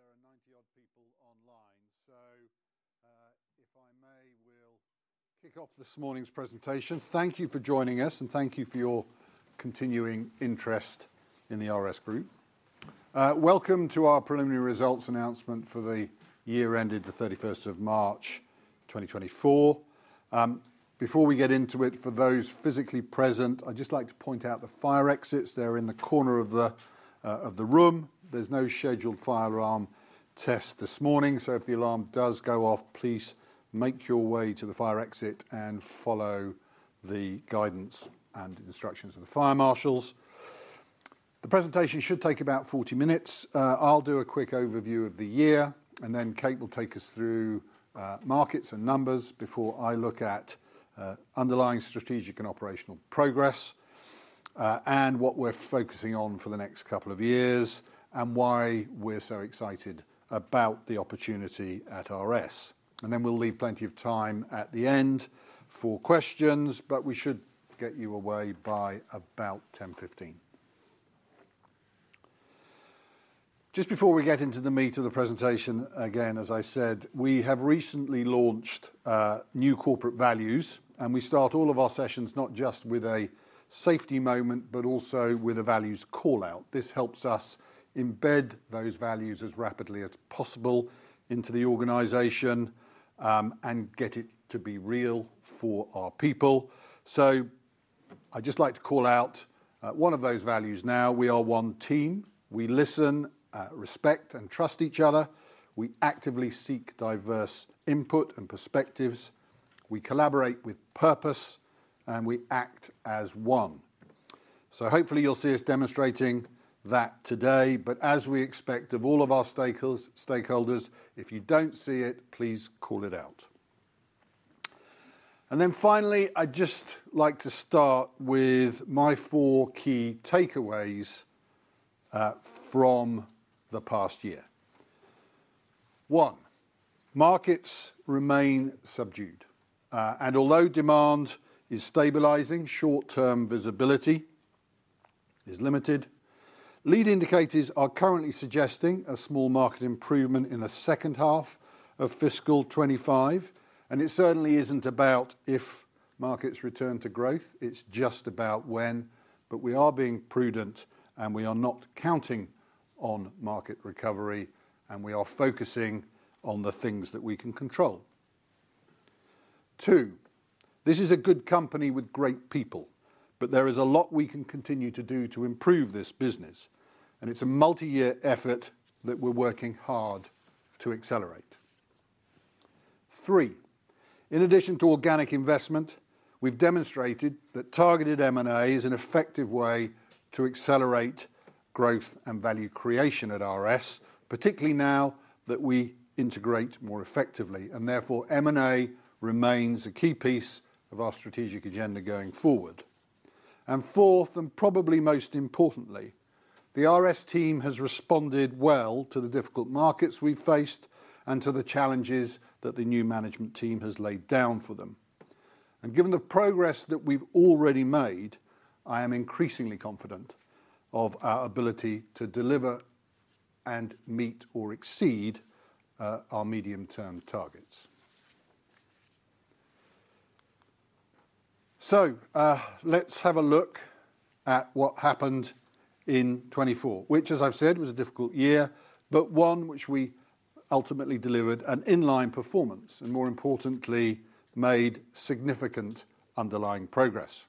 It's 9:01 A.M., and I know that there are 90-odd people online. If I may, we'll kick off this morning's presentation. Thank you for joining us, and thank you for your continuing interest in the RS Group. Welcome to our preliminary results announcement for the year ended the thirty-first of March, 2024. Before we get into it, for those physically present, I'd just like to point out the fire exits. They're in the corner of the room. There's no scheduled fire alarm test this morning, so if the alarm does go off, please make your way to the fire exit and follow the guidance and instructions of the fire marshals. The presentation should take about 40 minutes. I'll do a quick overview of the year, and then Kate will take us through markets and numbers before I look at underlying strategic and operational progress, and what we're focusing on for the next couple of years, and why we're so excited about the opportunity at RS. And then we'll leave plenty of time at the end for questions, but we should get you away by about 10:15 A.M. Just before we get into the meat of the presentation, again, as I said, we have recently launched new corporate values, and we start all of our sessions not just with a safety moment, but also with a values call-out. This helps us embed those values as rapidly as possible into the organization, and get it to be real for our people. So I'd just like to call out one of those values now. We are one team. We listen, respect, and trust each other. We actively seek diverse input and perspectives, we collaborate with purpose, and we act as one. So hopefully you'll see us demonstrating that today. But as we expect of all of our stakeholders, if you don't see it, please call it out. And then finally, I'd just like to start with my four key takeaways from the past year. One, markets remain subdued, and although demand is stabilizing, short-term visibility is limited. Lead indicators are currently suggesting a small market improvement in the second half of fiscal 25, and it certainly isn't about if markets return to growth, it's just about when. But we are being prudent, and we are not counting on market recovery, and we are focusing on the things that we can control. Two, this is a good company with great people, but there is a lot we can continue to do to improve this business, and it's a multi-year effort that we're working hard to accelerate. Three, in addition to organic investment, we've demonstrated that targeted M&A is an effective way to accelerate growth and value creation at RS, particularly now that we integrate more effectively, and therefore, M&A remains a key piece of our strategic agenda going forward. And fourth, and probably most importantly, the RS team has responded well to the difficult markets we've faced and to the challenges that the new management team has laid down for them. Given the progress that we've already made, I am increasingly confident of our ability to deliver and meet or exceed our medium-term targets. So, let's have a look at what happened in 2024, which, as I've said, was a difficult year, but one which we ultimately delivered an in-line performance, and more importantly, made significant underlying progress.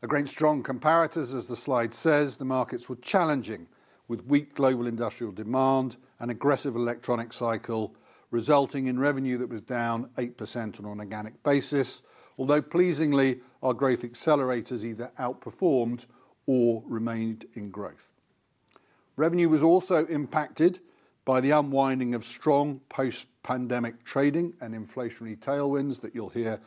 Against strong comparators, as the slide says, the markets were challenging, with weak global industrial demand and aggressive electronics cycle, resulting in revenue that was down 8% on an organic basis. Although pleasingly, our growth accelerators either outperformed or remained in growth. Revenue was also impacted by the unwinding of strong post-pandemic trading and inflationary tailwinds that you'll hear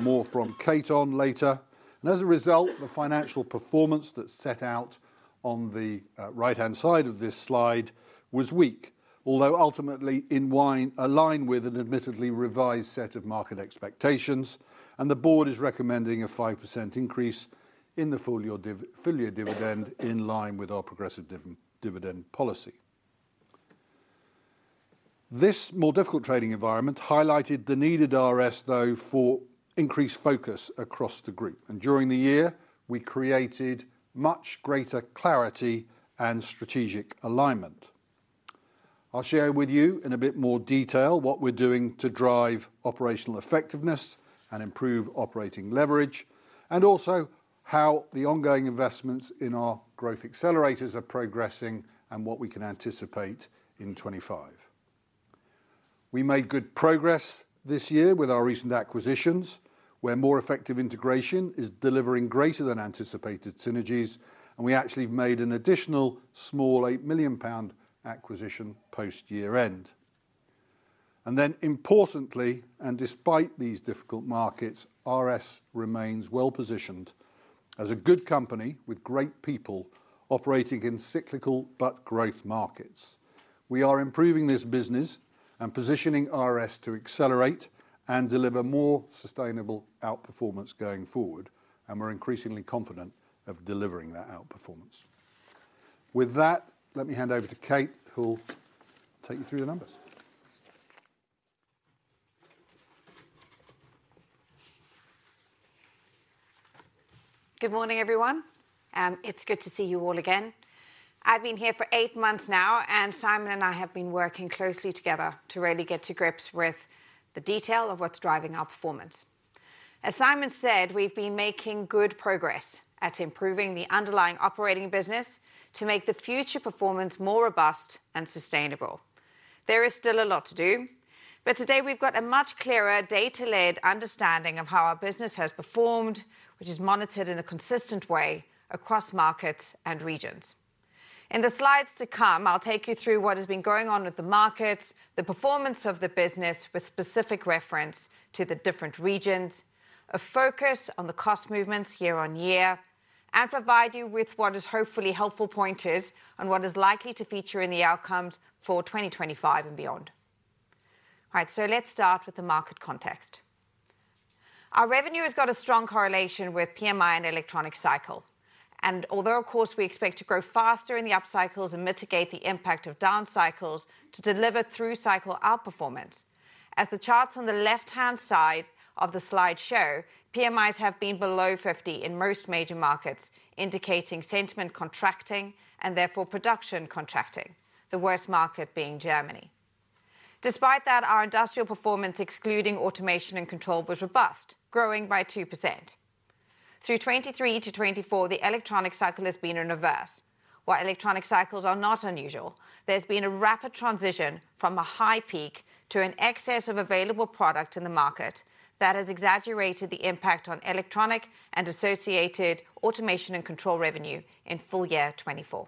more from Kate on later. And as a result, the financial performance that's set out on the right-hand side of this slide was weak. Although ultimately in line aligned with an admittedly revised set of market expectations, and the board is recommending a 5% increase in the full-year dividend in line with our progressive dividend policy. This more difficult trading environment highlighted the need at RS, though, for increased focus across the group. During the year, we created much greater clarity and strategic alignment. I'll share with you in a bit more detail what we're doing to drive operational effectiveness and improve operating leverage, and also how the ongoing investments in our growth accelerators are progressing and what we can anticipate in 2025. We made good progress this year with our recent acquisitions, where more effective integration is delivering greater than anticipated synergies, and we actually made an additional small 8 million pound acquisition post-year end. Then importantly, and despite these difficult markets, RS remains well-positioned as a good company with great people operating in cyclical but growth markets... We are improving this business and positioning RS to accelerate and deliver more sustainable outperformance going forward, and we're increasingly confident of delivering that outperformance. With that, let me hand over to Kate, who will take you through the numbers. Good morning, everyone. It's good to see you all again. I've been here for eight months now, and Simon and I have been working closely together to really get to grips with the detail of what's driving our performance. As Simon said, we've been making good progress at improving the underlying operating business to make the future performance more robust and sustainable. There is still a lot to do, but today we've got a much clearer data-led understanding of how our business has performed, which is monitored in a consistent way across markets and regions. In the slides to come, I'll take you through what has been going on with the markets, the performance of the business, with specific reference to the different regions, a focus on the cost movements year-on-year, and provide you with what is hopefully helpful pointers on what is likely to feature in the outcomes for 2025 and beyond. All right, so let's start with the market context. Our revenue has got a strong correlation with PMI and electronics cycle, and although, of course, we expect to grow faster in the up cycles and mitigate the impact of down cycles to deliver through-cycle outperformance, as the charts on the left-hand side of the slide show, PMIs have been below 50 in most major markets, indicating sentiment contracting and therefore production contracting, the worst market being Germany. Despite that, our industrial performance, excluding automation and control, was robust, growing by 2%. Through 2023 to 2024, the electronic cycle has been in reverse. While electronic cycles are not unusual, there's been a rapid transition from a high peak to an excess of available product in the market that has exaggerated the impact on electronic and associated automation and control revenue in full year 2024.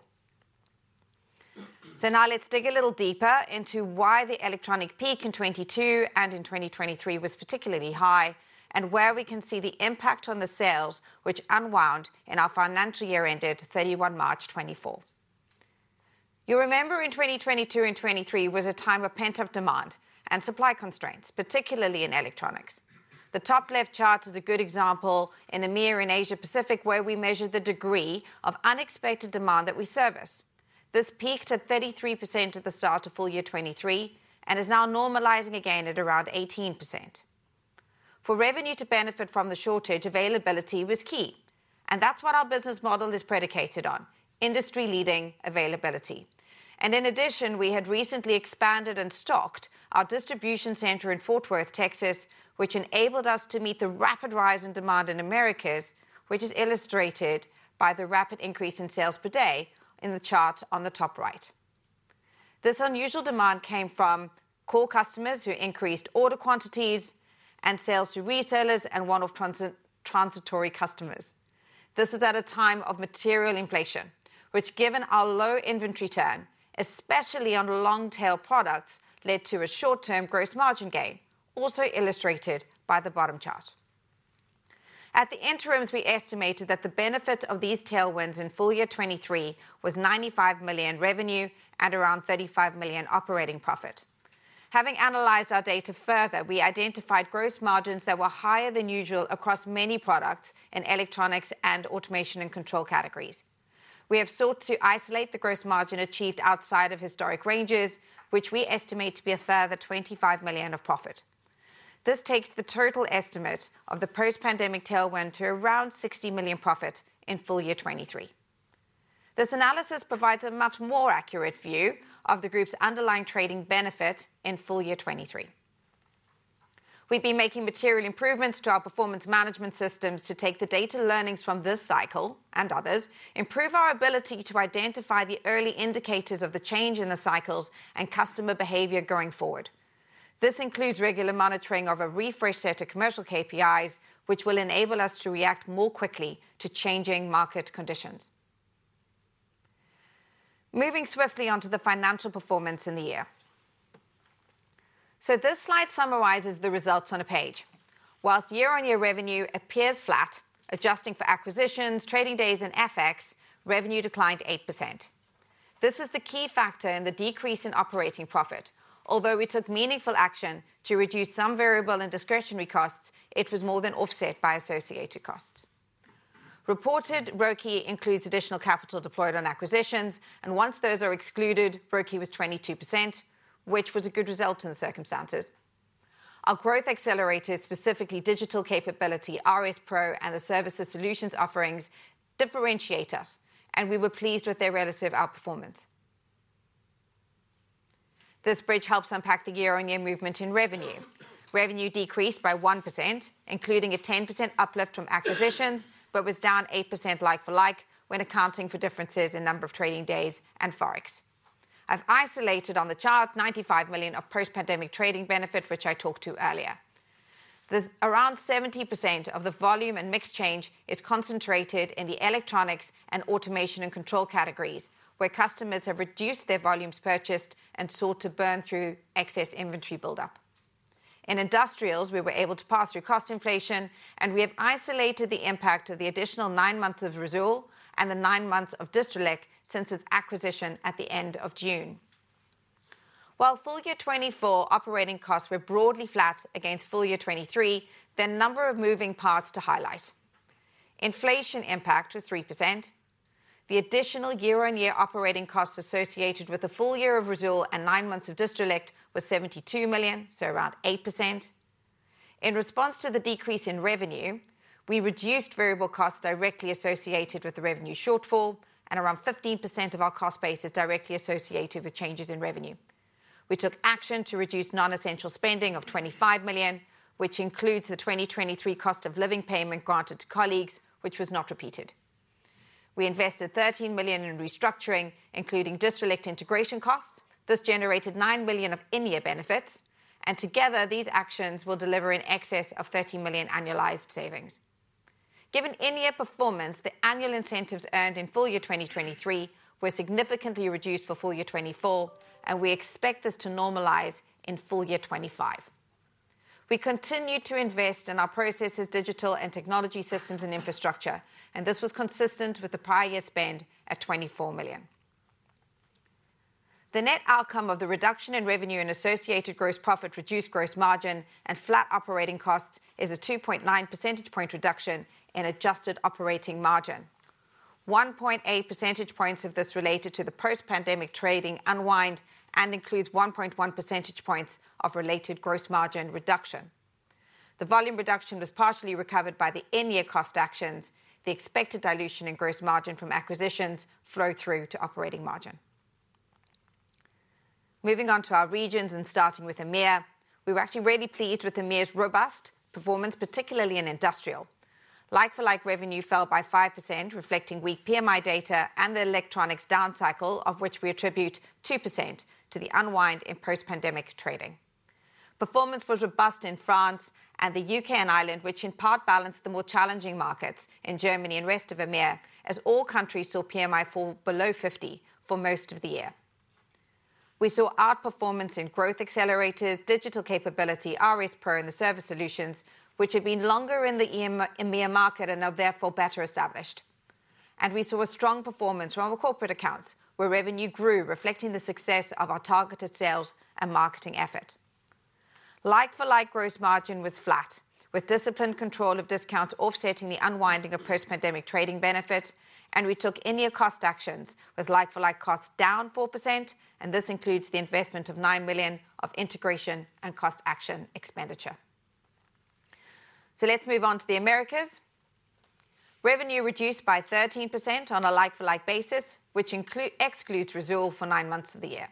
So now let's dig a little deeper into why the electronic peak in 2022 and in 2023 was particularly high, and where we can see the impact on the sales, which unwound in our financial year ended 31 March 2024. You remember in 2022 and 2023 was a time of pent-up demand and supply constraints, particularly in electronics. The top left chart is a good example in EMEA and Asia Pacific, where we measured the degree of unexpected demand that we service. This peaked at 33% at the start of full year 2023 and is now normalizing again at around 18%. For revenue to benefit from the shortage, availability was key, and that's what our business model is predicated on, industry-leading availability. In addition, we had recently expanded and stocked our distribution center in Fort Worth, Texas, which enabled us to meet the rapid rise in demand in Americas, which is illustrated by the rapid increase in sales per day in the chart on the top right. This unusual demand came from core customers who increased order quantities and sales to retailers and one-off transitory customers. This was at a time of material inflation, which, given our low inventory turn, especially on long-tail products, led to a short-term gross margin gain, also illustrated by the bottom chart. At the interims, we estimated that the benefit of these tailwinds in full year 2023 was 95 million revenue and around 35 million operating profit. Having analyzed our data further, we identified gross margins that were higher than usual across many products in electronics and automation and control categories. We have sought to isolate the gross margin achieved outside of historic ranges, which we estimate to be a further 25 million of profit. This takes the total estimate of the post-pandemic tailwind to around 60 million profit in full year 2023. This analysis provides a much more accurate view of the group's underlying trading benefit in full year 2023. We've been making material improvements to our performance management systems to take the data learnings from this cycle and others, improve our ability to identify the early indicators of the change in the cycles and customer behavior going forward. This includes regular monitoring of a refreshed set of commercial KPIs, which will enable us to react more quickly to changing market conditions. Moving swiftly onto the financial performance in the year. So this slide summarizes the results on a page. While year-on-year revenue appears flat, adjusting for acquisitions, trading days, and FX, revenue declined 8%. This was the key factor in the decrease in operating profit. Although we took meaningful action to reduce some variable and discretionary costs, it was more than offset by associated costs. Reported ROCE includes additional capital deployed on acquisitions, and once those are excluded, ROCE was 22%, which was a good result in the circumstances. Our growth accelerators, specifically digital capability, RS PRO, and the services solutions offerings differentiate us, and we were pleased with their relative outperformance. This bridge helps unpack the year-on-year movement in revenue. Revenue decreased by 1%, including a 10% uplift from acquisitions, but was down 8% like for like when accounting for differences in number of trading days and Forex. I've isolated on the chart 95 million of post-pandemic trading benefit, which I talked to earlier. This. Around 70% of the volume and mix change is concentrated in the electronics and automation and control categories, where customers have reduced their volumes purchased and sought to burn through excess inventory buildup. In industrials, we were able to pass through cost inflation, and we have isolated the impact of the additional 9 months of Risoul and the 9 months of Distrelec since its acquisition at the end of June. While full year 2024 operating costs were broadly flat against full year 2023, there are a number of moving parts to highlight. Inflation impact was 3%. The additional year-on-year operating costs associated with the full year of Risoul and nine months of Distrelec was 72 million, so around 8%. In response to the decrease in revenue, we reduced variable costs directly associated with the revenue shortfall, and around 15% of our cost base is directly associated with changes in revenue. We took action to reduce non-essential spending of 25 million, which includes the 2023 Cost of Living Payment granted to colleagues, which was not repeated. We invested 13 million in restructuring, including Distrelec integration costs. This generated 9 million of in-year benefits, and together, these actions will deliver in excess of 30 million annualized savings. Given in-year performance, the annual incentives earned in full year 2023 were significantly reduced for full year 2024, and we expect this to normalize in full year 2025. We continued to invest in our processes, digital and technology systems, and infrastructure, and this was consistent with the prior year spend at 24 million. The net outcome of the reduction in revenue and associated gross profit, reduced gross margin, and flat operating costs is a 2.9 percentage point reduction in adjusted operating margin. 1.8 percentage points of this related to the post-pandemic trading unwind and includes 1.1 percentage points of related gross margin reduction. The volume reduction was partially recovered by the in-year cost actions. The expected dilution in gross margin from acquisitions flow through to operating margin. Moving on to our regions and starting with EMEA, we were actually really pleased with EMEA's robust performance, particularly in industrial. Like-for-like revenue fell by 5%, reflecting weak PMI data and the electronics down cycle, of which we attribute 2% to the unwind in post-pandemic trading. Performance was robust in France and the UK and Ireland, which in part balanced the more challenging markets in Germany and rest of EMEA, as all countries saw PMI fall below 50 for most of the year. We saw outperformance in growth accelerators, digital capability, RS PRO, and the service solutions, which have been longer in the EMEA market and are therefore better established. We saw a strong performance from our corporate accounts, where revenue grew, reflecting the success of our targeted sales and marketing effort. Like-for-like gross margin was flat, with disciplined control of discounts offsetting the unwinding of post-pandemic trading benefit, and we took in-year cost actions, with like-for-like costs down 4%, and this includes the investment of 9 million of integration and cost action expenditure. So let's move on to the Americas. Revenue reduced by 13% on a like-for-like basis, which excludes Risoul for nine months of the year.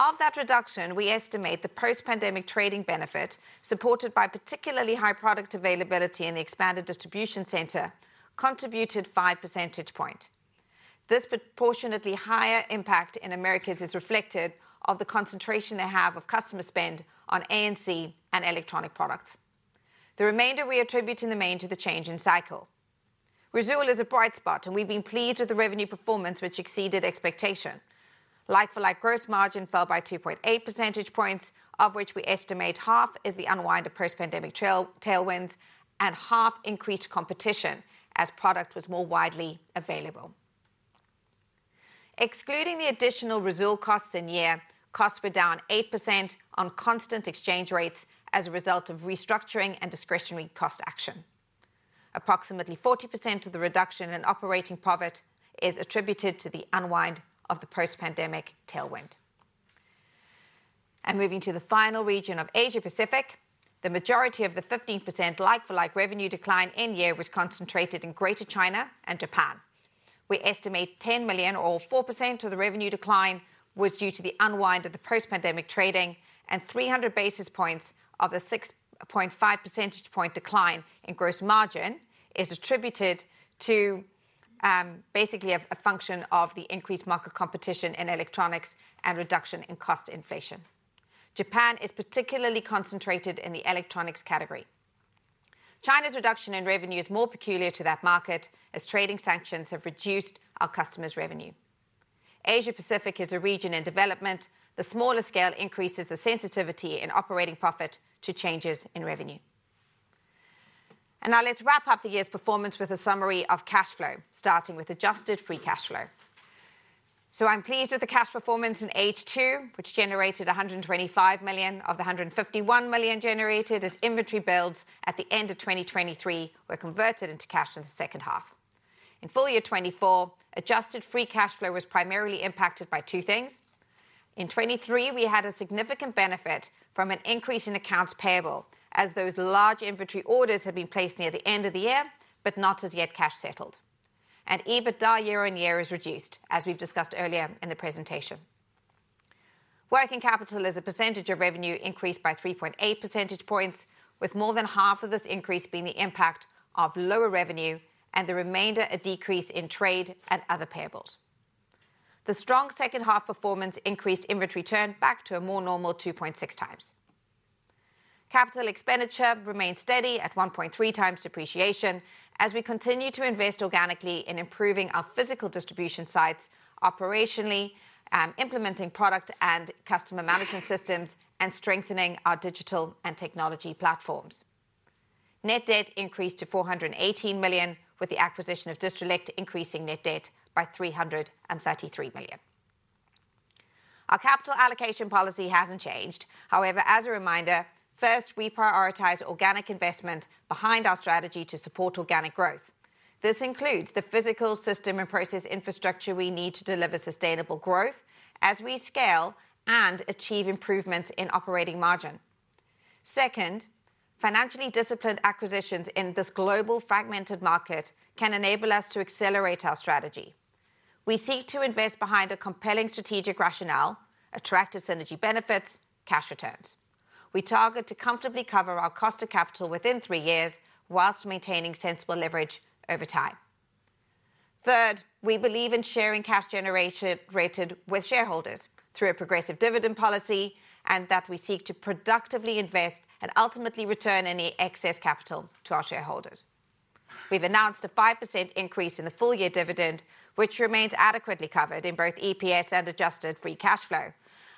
Of that reduction, we estimate the post-pandemic trading benefit, supported by particularly high product availability in the expanded distribution center, contributed five percentage point. This proportionately higher impact in Americas is reflected of the concentration they have of customer spend on A&C and electronic products. The remainder we attribute in the main to the change in cycle. Risoul is a bright spot, and we've been pleased with the revenue performance, which exceeded expectation. Like-for-like gross margin fell by 2.8 percentage points, of which we estimate half is the unwind of post-pandemic tailwinds and half increased competition as product was more widely available. Excluding the additional Risoul costs in year, costs were down 8% on constant exchange rates as a result of restructuring and discretionary cost action. Approximately 40% of the reduction in operating profit is attributed to the unwind of the post-pandemic tailwind. Moving to the final region of Asia Pacific, the majority of the 15% like-for-like revenue decline in year was concentrated in Greater China and Japan. We estimate 10 million, or 4%, of the revenue decline was due to the unwind of the post-pandemic trading, and 300 basis points of the 6.5 percentage point decline in gross margin is attributed to basically a function of the increased market competition in electronics and reduction in cost inflation. Japan is particularly concentrated in the electronics category. China's reduction in revenue is more peculiar to that market, as trading sanctions have reduced our customers' revenue. Asia Pacific is a region in development. The smaller scale increases the sensitivity in operating profit to changes in revenue. Now let's wrap up the year's performance with a summary of cash flow, starting with adjusted free cash flow. So I'm pleased with the cash performance in H2, which generated 125 million of the 151 million generated as inventory builds at the end of 2023 were converted into cash in the second half. In full year 2024, adjusted free cash flow was primarily impacted by two things. In 2023, we had a significant benefit from an increase in accounts payable, as those large inventory orders had been placed near the end of the year, but not as yet cash settled. EBITDA year-on-year is reduced, as we've discussed earlier in the presentation. Working capital as a percentage of revenue increased by 3.8 percentage points, with more than half of this increase being the impact of lower revenue and the remainder a decrease in trade and other payables. The strong second half performance increased inventory turn back to a more normal 2.6x. Capital expenditure remained steady at 1.3x depreciation as we continue to invest organically in improving our physical distribution sites operationally, implementing product and customer management systems, and strengthening our digital and technology platforms. Net debt increased to 418 million, with the acquisition of Distrelec increasing net debt by 333 million. Our capital allocation policy hasn't changed. However, as a reminder, first, we prioritize organic investment behind our strategy to support organic growth. This includes the physical system and process infrastructure we need to deliver sustainable growth as we scale and achieve improvements in operating margin. Second, financially disciplined acquisitions in this global fragmented market can enable us to accelerate our strategy. We seek to invest behind a compelling strategic rationale, attractive synergy benefits, cash returns. We target to comfortably cover our cost of capital within three years, while maintaining sensible leverage over time. Third, we believe in sharing cash generation created with shareholders through a progressive dividend policy, and that we seek to productively invest and ultimately return any excess capital to our shareholders. We've announced a 5% increase in the full-year dividend, which remains adequately covered in both EPS and adjusted free cash flow.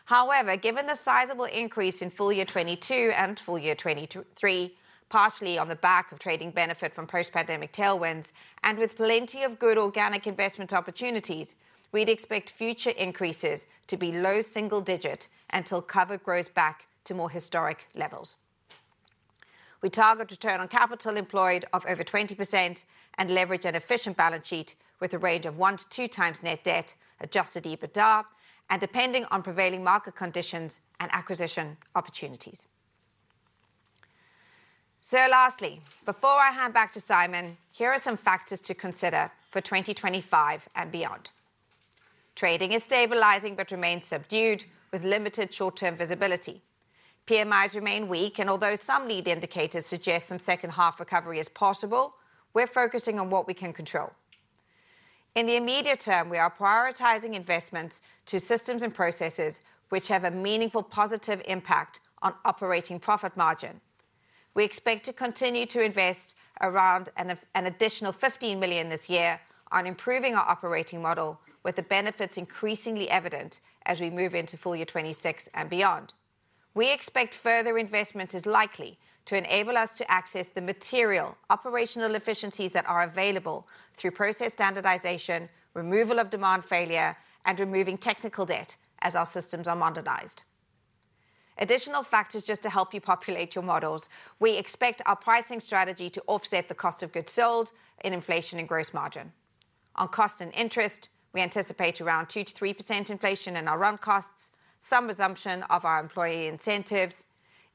However, given the sizable increase in full year 2022 and full year 2023, partially on the back of trading benefit from post-pandemic tailwinds and with plenty of good organic investment opportunities, we'd expect future increases to be low single digit until cover grows back to more historic levels. We target return on capital employed of over 20% and leverage an efficient balance sheet with a range of 1x-2x net debt, adjusted EBITDA, and depending on prevailing market conditions and acquisition opportunities. So lastly, before I hand back to Simon, here are some factors to consider for 2025 and beyond. Trading is stabilizing, but remains subdued, with limited short-term visibility. PMIs remain weak, and although some lead indicators suggest some second half recovery is possible, we're focusing on what we can control. In the immediate term, we are prioritizing investments to systems and processes which have a meaningful positive impact on operating profit margin. We expect to continue to invest around an additional 15 million this year on improving our operating model, with the benefits increasingly evident as we move into full year 2026 and beyond. We expect further investment is likely to enable us to access the material operational efficiencies that are available through process standardization, removal of demand failure, and removing technical debt as our systems are modernized. Additional factors just to help you populate your models. We expect our pricing strategy to offset the cost of goods sold in inflation and gross margin. On cost and interest, we anticipate around 2%-3% inflation in our run costs, some resumption of our employee incentives,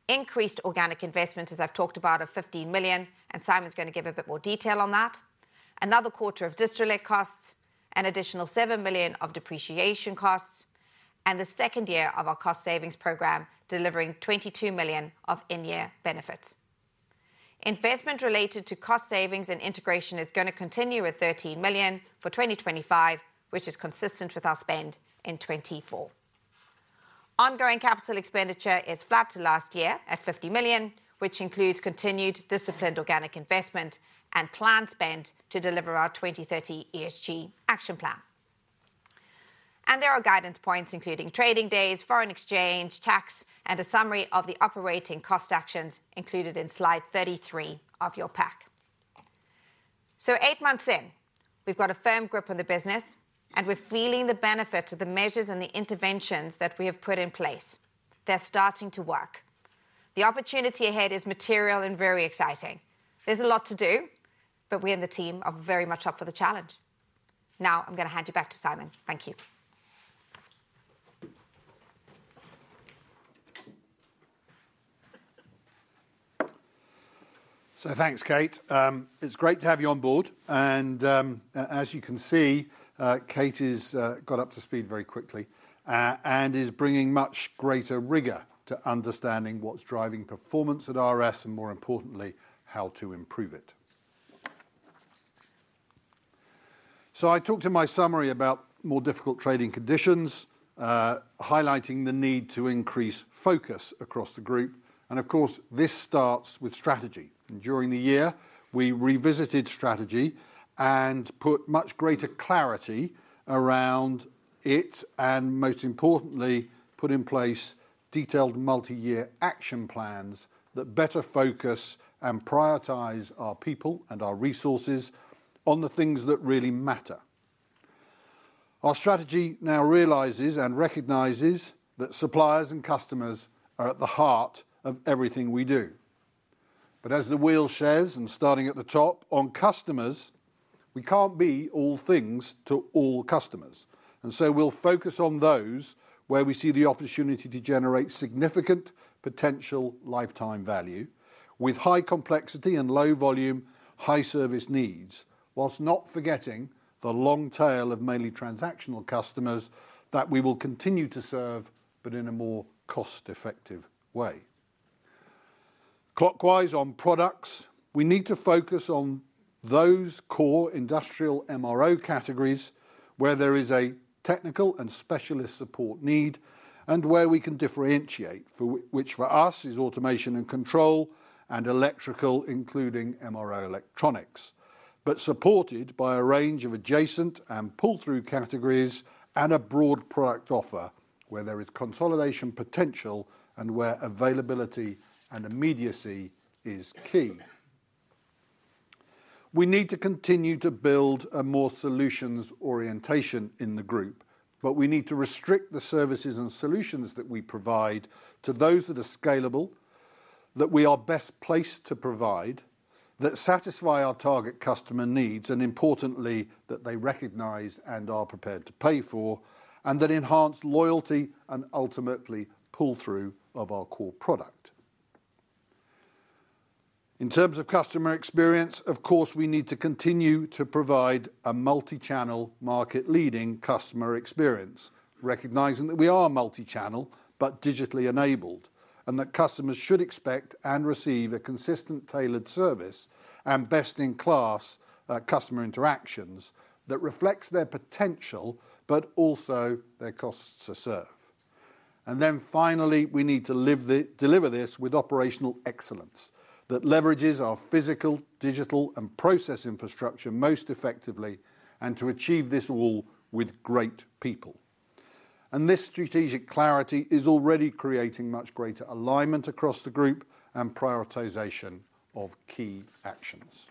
increased organic investments, as I've talked about, of 15 million, and Simon's gonna give a bit more detail on that. Another quarter of Distrelec costs, an additional 7 million of depreciation costs, and the second year of our cost savings program, delivering 22 million of in-year benefits. Investment related to cost savings and integration is gonna continue with 13 million for 2025, which is consistent with our spend in 2024. Ongoing capital expenditure is flat to last year at 50 million, which includes continued disciplined organic investment and planned spend to deliver our 2030 ESG action plan. There are guidance points, including trading days, foreign exchange, tax, and a summary of the operating cost actions included in slide 33 of your pack. So 8 months in, we've got a firm grip on the business, and we're feeling the benefit of the measures and the interventions that we have put in place. They're starting to work. The opportunity ahead is material and very exciting. There's a lot to do, but we and the team are very much up for the challenge. Now, I'm gonna hand you back to Simon. Thank you. So thanks, Kate. It's great to have you on board, and, as you can see, Kate is got up to speed very quickly, and is bringing much greater rigor to understanding what's driving performance at RS, and more importantly, how to improve it. So I talked in my summary about more difficult trading conditions, highlighting the need to increase focus across the group, and of course, this starts with strategy. And during the year, we revisited strategy and put much greater clarity around it, and most importantly, put in place detailed multi-year action plans that better focus and prioritize our people and our resources on the things that really matter. Our strategy now realizes and recognizes that suppliers and customers are at the heart of everything we do. But as the wheel shares, and starting at the top, on customers, we can't be all things to all customers, and so we'll focus on those where we see the opportunity to generate significant potential lifetime value with high complexity and low volume, high service needs, whilst not forgetting the long tail of mainly transactional customers that we will continue to serve, but in a more cost-effective way. Clockwise, on products, we need to focus on those core industrial MRO categories, where there is a technical and specialist support need, and where we can differentiate, for which for us is automation and control and electrical, including MRO electronics, but supported by a range of adjacent and pull-through categories and a broad product offer, where there is consolidation potential and where availability and immediacy is key. We need to continue to build a more solutions orientation in the group, but we need to restrict the services and solutions that we provide to those that are scalable, that we are best placed to provide, that satisfy our target customer needs, and importantly, that they recognize and are prepared to pay for, and that enhance loyalty and ultimately pull through of our core product. In terms of customer experience, of course, we need to continue to provide a multi-channel, market-leading customer experience, recognizing that we are multi-channel, but digitally enabled, and that customers should expect and receive a consistent, tailored service and best-in-class, customer interactions that reflects their potential, but also their costs to serve. And then finally, we need to deliver this with operational excellence that leverages our physical, digital, and process infrastructure most effectively, and to achieve this all with great people. This strategic clarity is already creating much greater alignment across the group and prioritization of key actions.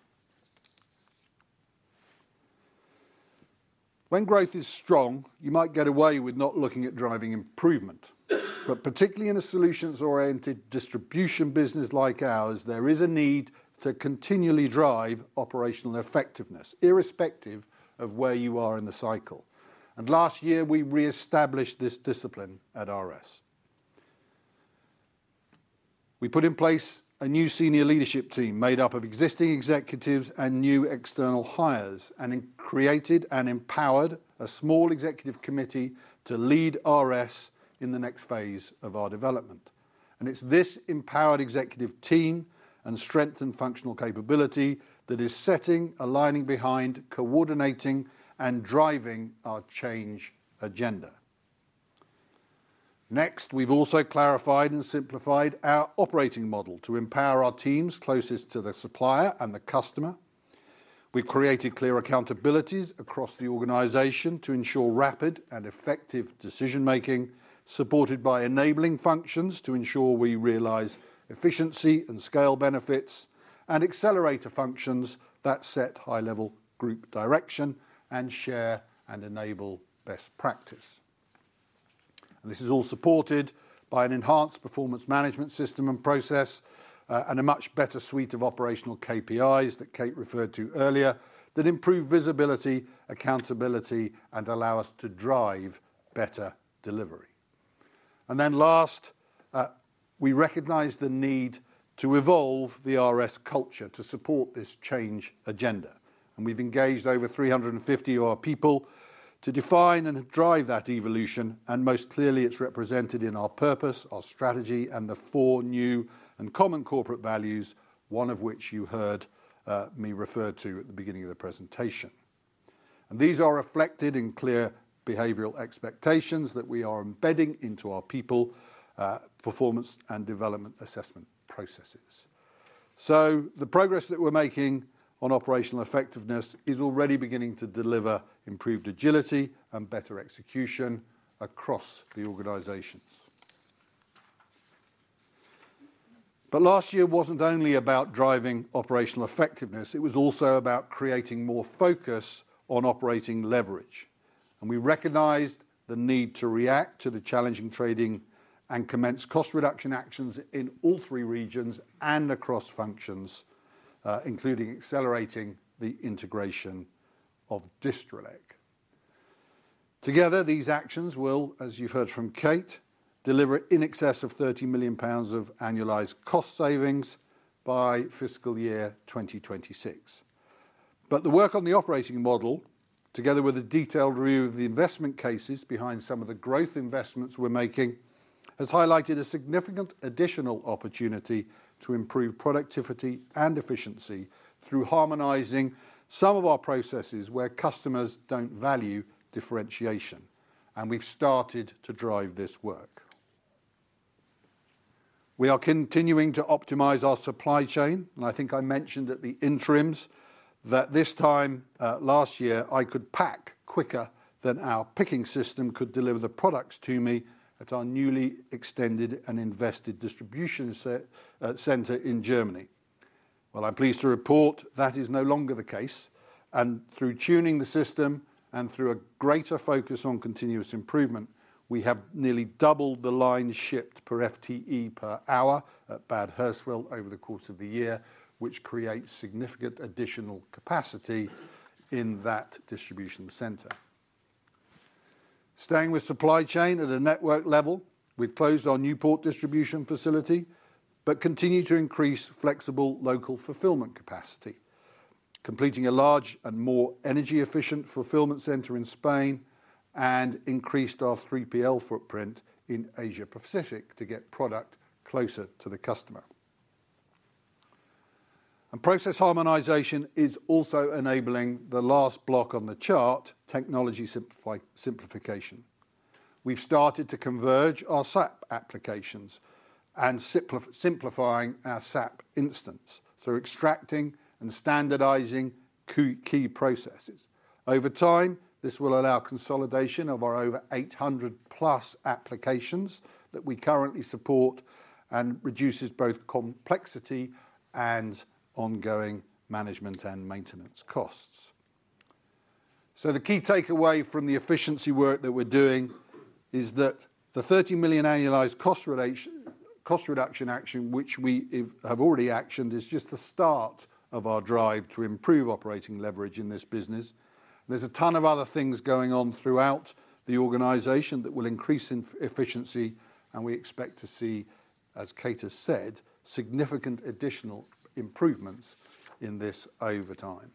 When growth is strong, you might get away with not looking at driving improvement, but particularly in a solutions-oriented distribution business like ours, there is a need to continually drive operational effectiveness, irrespective of where you are in the cycle, and last year, we reestablished this discipline at RS. We put in place a new senior leadership team made up of existing executives and new external hires, and we created and empowered a small executive committee to lead RS in the next phase of our development. It's this empowered executive team and strengthened functional capability that is setting, aligning behind, coordinating, and driving our change agenda. Next, we've also clarified and simplified our operating model to empower our teams closest to the supplier and the customer. We've created clear accountabilities across the organization to ensure rapid and effective decision making, supported by enabling functions to ensure we realize efficiency and scale benefits, and accelerator functions that set high-level group direction and share and enable best practice. And this is all supported by an enhanced performance management system and process, and a much better suite of operational KPIs that Kate referred to earlier, that improve visibility, accountability, and allow us to drive better delivery. And then last, we recognize the need to evolve the RS culture to support this change agenda, and we've engaged over 350 of our people to define and drive that evolution, and most clearly, it's represented in our purpose, our strategy, and the four new and common corporate values, one of which you heard, me refer to at the beginning of the presentation. These are reflected in clear behavioral expectations that we are embedding into our people performance and development assessment processes. The progress that we're making on operational effectiveness is already beginning to deliver improved agility and better execution across the organizations. Last year wasn't only about driving operational effectiveness. It was also about creating more focus on operating leverage, and we recognized the need to react to the challenging trading and commence cost reduction actions in all three regions and across functions, including accelerating the integration of Distrelec. Together, these actions will, as you've heard from Kate, deliver in excess of 30 million pounds of annualized cost savings by fiscal year 2026. But the work on the operating model, together with a detailed review of the investment cases behind some of the growth investments we're making, has highlighted a significant additional opportunity to improve productivity and efficiency through harmonizing some of our processes where customers don't value differentiation, and we've started to drive this work. We are continuing to optimize our supply chain, and I think I mentioned at the interims that this time last year, I could pack quicker than our picking system could deliver the products to me at our newly extended and invested distribution center in Germany. Well, I'm pleased to report that is no longer the case, and through tuning the system and through a greater focus on continuous improvement, we have nearly doubled the lines shipped per FTE per hour at Bad Hersfeld over the course of the year, which creates significant additional capacity in that distribution center. Staying with supply chain at a network level, we've closed our Newport distribution facility, but continue to increase flexible local fulfillment capacity, completing a large and more energy-efficient fulfillment center in Spain, and increased our 3PL footprint in Asia Pacific to get product closer to the customer. And process harmonization is also enabling the last block on the chart, technology simplification. We've started to converge our SAP applications and simplifying our SAP instance through extracting and standardizing key processes. Over time, this will allow consolidation of our over 800+ applications that we currently support, and reduces both complexity and ongoing management and maintenance costs. So the key takeaway from the efficiency work that we're doing is that the 30 million annualized cost reduction action, which we have already actioned, is just the start of our drive to improve operating leverage in this business. There's a ton of other things going on throughout the organization that will increase efficiency, and we expect to see, as Kate has said, significant additional improvements in this over time.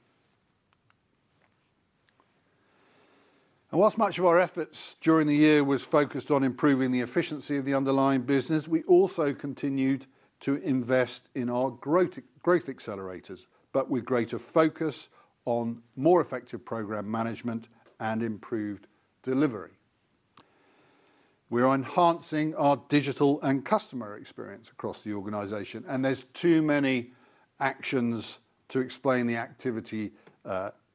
While much of our efforts during the year was focused on improving the efficiency of the underlying business, we also continued to invest in our growth, growth accelerators, but with greater focus on more effective program management and improved delivery. We are enhancing our digital and customer experience across the organization, and there's too many actions to explain the activity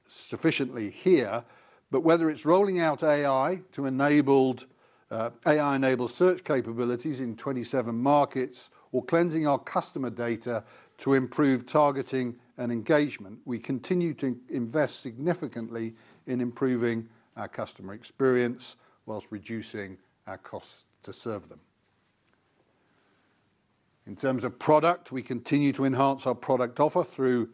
sufficiently here. But whether it's rolling out AI to enable AI-enabled search capabilities in 27 markets, or cleansing our customer data to improve targeting and engagement, we continue to invest significantly in improving our customer experience while reducing our costs to serve them. In terms of product, we continue to enhance our product offer through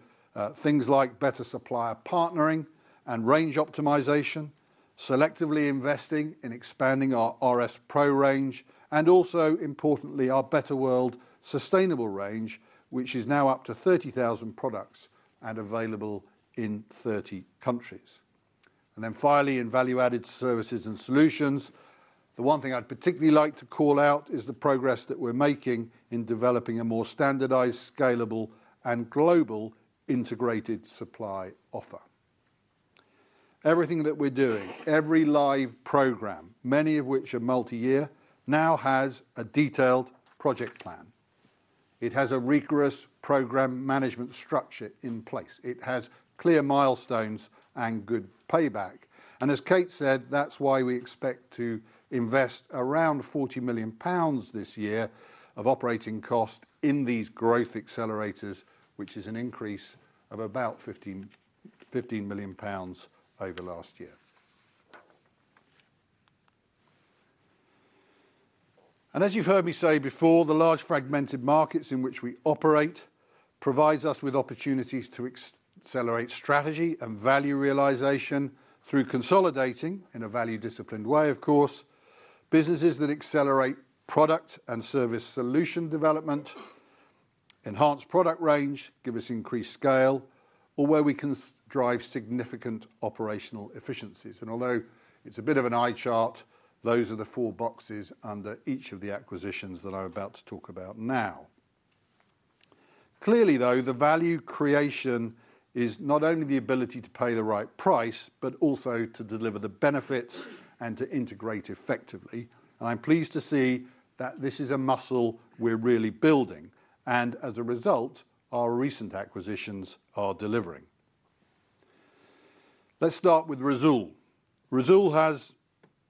things like better supplier partnering and range optimization, selectively investing in expanding our RS PRO range, and also, importantly, our Better World sustainable range, which is now up to 30,000 products and available in 30 countries. Then finally, in value-added services and solutions, the one thing I'd particularly like to call out is the progress that we're making in developing a more standardized, scalable, and global integrated supply offer. Everything that we're doing, every live program, many of which are multi-year, now has a detailed project plan. It has a rigorous program management structure in place. It has clear milestones and good payback. And as Kate said, that's why we expect to invest around 40 million pounds this year of operating cost in these growth accelerators, which is an increase of about 15, 15 million over last year. And as you've heard me say before, the large fragmented markets in which we operate provides us with opportunities to accelerate strategy and value realization through consolidating, in a value-disciplined way of course, businesses that accelerate product and service solution development, enhance product range, give us increased scale, or where we can drive significant operational efficiencies. And although it's a bit of an eye chart, those are the four boxes under each of the acquisitions that I'm about to talk about now. Clearly, though, the value creation is not only the ability to pay the right price, but also to deliver the benefits and to integrate effectively, and I'm pleased to see that this is a muscle we're really building, and as a result, our recent acquisitions are delivering. Let's start with Risoul. Risoul has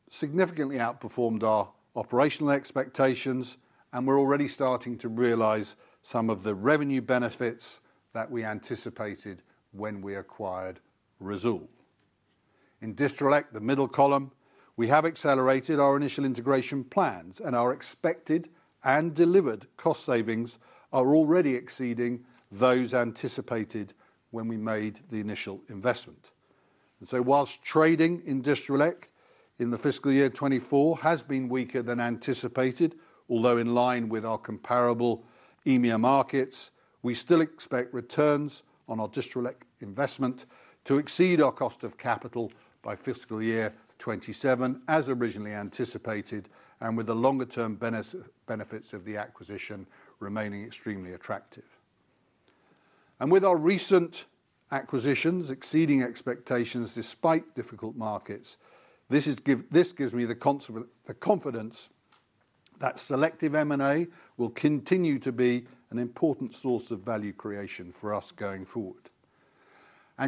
significantly outperformed our operational expectations, and we're already starting to realize some of the revenue benefits that we anticipated when we acquired Risoul. In Distrelec, the middle column, we have accelerated our initial integration plans, and our expected and delivered cost savings are already exceeding those anticipated when we made the initial investment. So while trading in Distrelec in the fiscal year 2024 has been weaker than anticipated, although in line with our comparable EMEA markets, we still expect returns on our Distrelec investment to exceed our cost of capital by fiscal year 2027, as originally anticipated, and with the longer-term benefits of the acquisition remaining extremely attractive. With our recent acquisitions exceeding expectations despite difficult markets, this gives me the confidence that selective M&A will continue to be an important source of value creation for us going forward.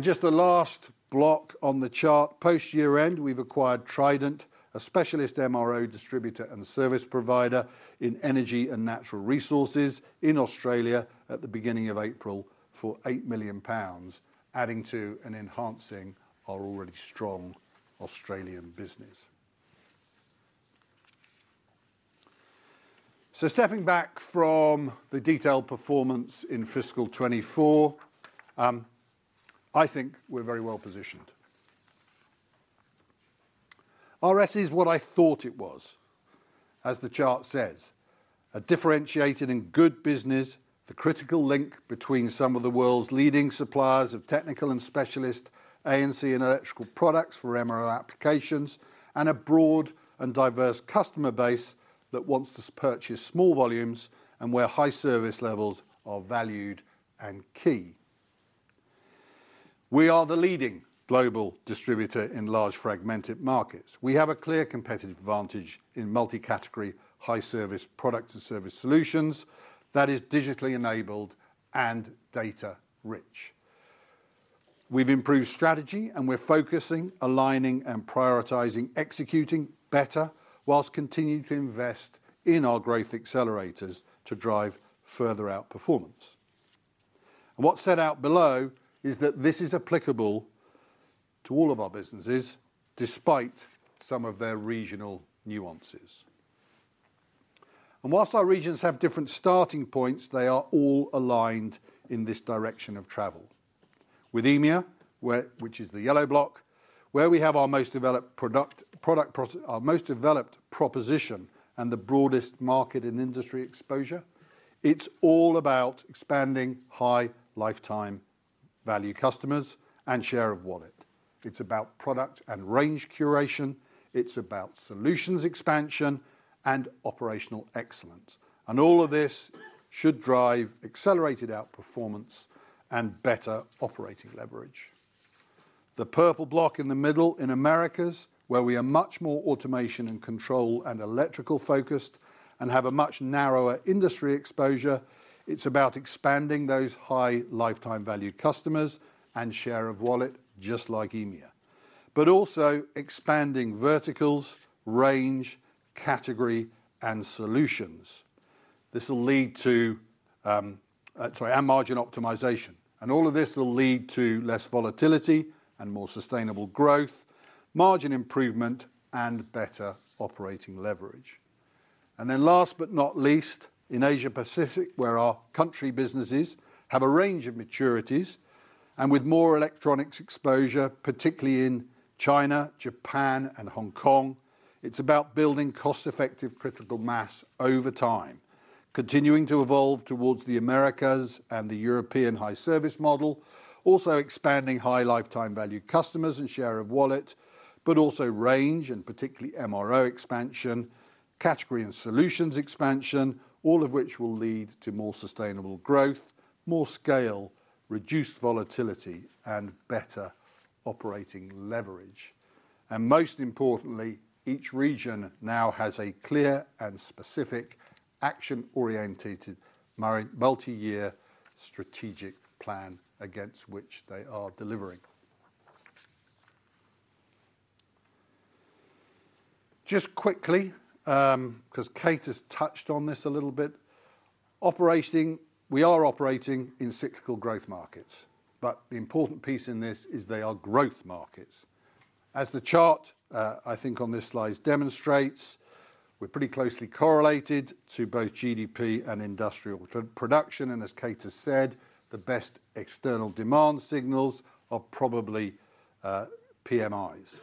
Just the last block on the chart, post-year-end, we've acquired Trident, a specialist MRO distributor and service provider in energy and natural resources in Australia at the beginning of April for 8 million pounds, adding to and enhancing our already strong Australian business. So stepping back from the detailed performance in fiscal 2024, I think we're very well positioned. RS is what I thought it was. As the chart says, "A differentiated and good business, the critical link between some of the world's leading suppliers of technical and specialist A&C and electrical products for MRO applications, and a broad and diverse customer base that wants to purchase small volumes, and where high service levels are valued and key."... We are the leading global distributor in large fragmented markets. We have a clear competitive advantage in multi-category, high-service product and service solutions that is digitally enabled and data rich. We've improved strategy, and we're focusing, aligning, and prioritizing, executing better, while continuing to invest in our growth accelerators to drive further outperformance. What's set out below is that this is applicable to all of our businesses, despite some of their regional nuances. While our regions have different starting points, they are all aligned in this direction of travel. With EMEA, which is the yellow block, where we have our most developed proposition and the broadest market and industry exposure, it's all about expanding high lifetime value customers and share of wallet. It's about product and range curation, it's about solutions expansion and operational excellence, and all of this should drive accelerated outperformance and better operating leverage. The purple block in the middle, in Americas, where we are much more automation and control and electrical focused and have a much narrower industry exposure, it's about expanding those high lifetime value customers and share of wallet, just like EMEA, but also expanding verticals, range, category, and solutions. This will lead to and margin optimization. And all of this will lead to less volatility and more sustainable growth, margin improvement, and better operating leverage. And then last but not least, in Asia Pacific, where our country businesses have a range of maturities, and with more electronics exposure, particularly in China, Japan, and Hong Kong, it's about building cost-effective critical mass over time. Continuing to evolve towards the Americas and the European high-service model, also expanding high lifetime value customers and share of wallet, but also range and particularly MRO expansion, category and solutions expansion, all of which will lead to more sustainable growth, more scale, reduced volatility, and better operating leverage. And most importantly, each region now has a clear and specific action-oriented multi-year strategic plan against which they are delivering. Just quickly, 'cause Kate has touched on this a little bit. We are operating in cyclical growth markets, but the important piece in this is they are growth markets. As the chart, I think on this slide demonstrates, we're pretty closely correlated to both GDP and industrial production, and as Kate has said, the best external demand signals are probably PMIs.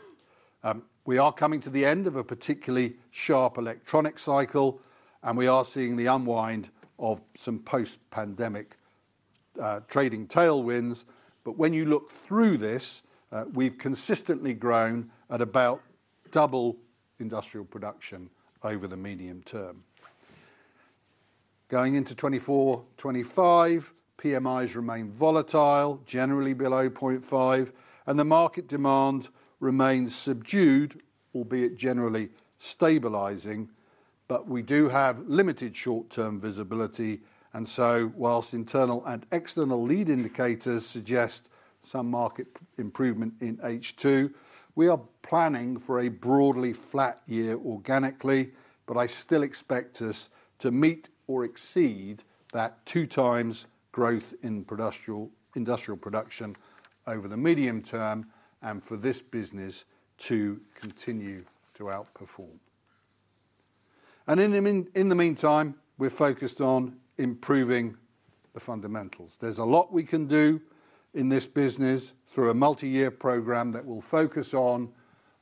We are coming to the end of a particularly sharp electronics cycle, and we are seeing the unwind of some post-pandemic trading tailwinds. But when you look through this, we've consistently grown at about double industrial production over the medium term. Going into 2024, 2025, PMIs remain volatile, generally below 0.5, and the market demand remains subdued, albeit generally stabilizing. But we do have limited short-term visibility, and so while internal and external lead indicators suggest some market improvement in H2, we are planning for a broadly flat year organically, but I still expect us to meet or exceed that 2x growth in industrial production over the medium term, and for this business to continue to outperform. And in the meantime, we're focused on improving the fundamentals. There's a lot we can do in this business through a multi-year program that will focus on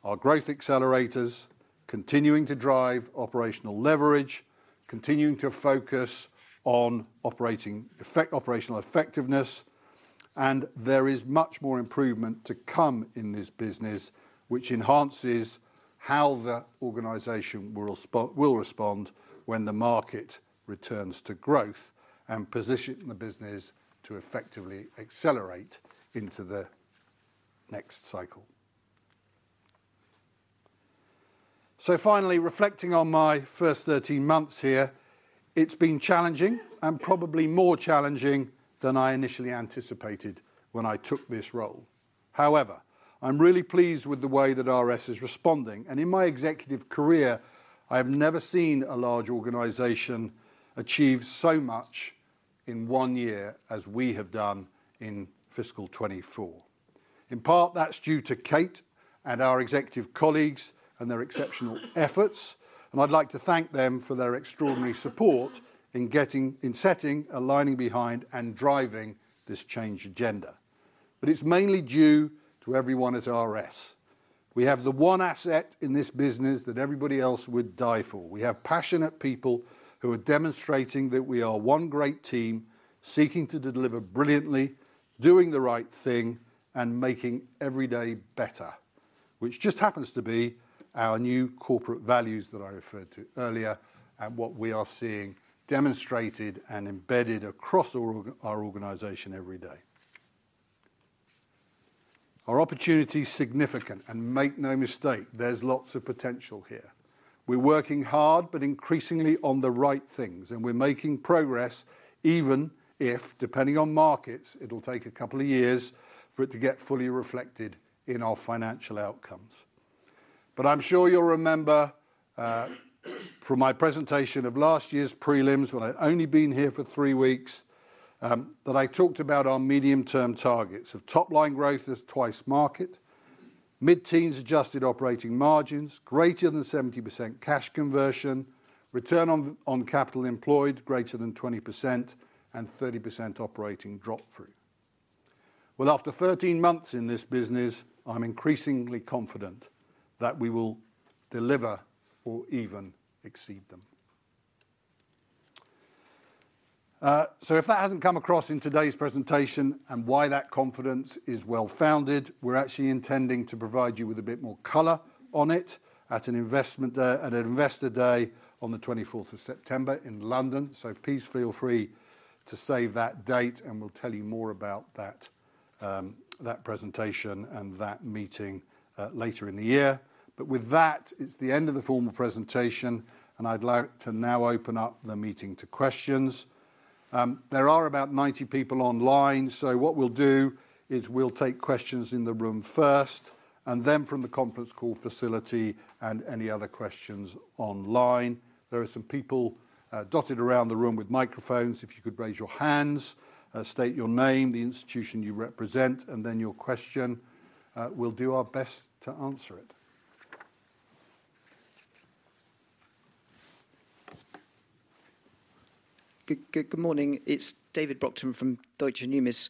our growth accelerators, continuing to drive operational leverage, continuing to focus on operational effectiveness, and there is much more improvement to come in this business, which enhances how the organization will respond when the market returns to growth, and position the business to effectively accelerate into the next cycle. So finally, reflecting on my first 13 months here, it's been challenging and probably more challenging than I initially anticipated when I took this role. However, I'm really pleased with the way that RS is responding, and in my executive career, I have never seen a large organization achieve so much in one year as we have done in fiscal 2024. In part, that's due to Kate and our executive colleagues and their exceptional efforts, and I'd like to thank them for their extraordinary support in setting, aligning behind and driving this change agenda. But it's mainly due to everyone at RS. We have the one asset in this business that everybody else would die for. We have passionate people who are demonstrating that we are one great team, seeking to deliver brilliantly, doing the right thing, and making every day better... which just happens to be our new corporate values that I referred to earlier, and what we are seeing demonstrated and embedded across our organization every day. Our opportunity is significant, and make no mistake, there's lots of potential here. We're working hard, but increasingly on the right things, and we're making progress, even if, depending on markets, it'll take a couple of years for it to get fully reflected in our financial outcomes. But I'm sure you'll remember, from my presentation of last year's prelims, when I'd only been here for 3 weeks, that I talked about our medium-term targets of top-line growth that's twice market, mid-teens adjusted operating margins, greater than 70% cash conversion, return on, on capital employed greater than 20%, and 30% operating drop-through. Well, after 13 months in this business, I'm increasingly confident that we will deliver or even exceed them. So if that hasn't come across in today's presentation and why that confidence is well-founded, we're actually intending to provide you with a bit more color on it at an investment, at Investor Day on the 24th of September in London. So please feel free to save that date, and we'll tell you more about that, that presentation and that meeting, later in the year. But with that, it's the end of the formal presentation, and I'd like to now open up the meeting to questions. There are about 90 people online, so what we'll do is we'll take questions in the room first, and then from the conference call facility and any other questions online. There are some people, dotted around the room with microphones. If you could raise your hands, state your name, the institution you represent, and then your question. We'll do our best to answer it. Good, good, good morning. It's David Brockton from Deutsche Numis.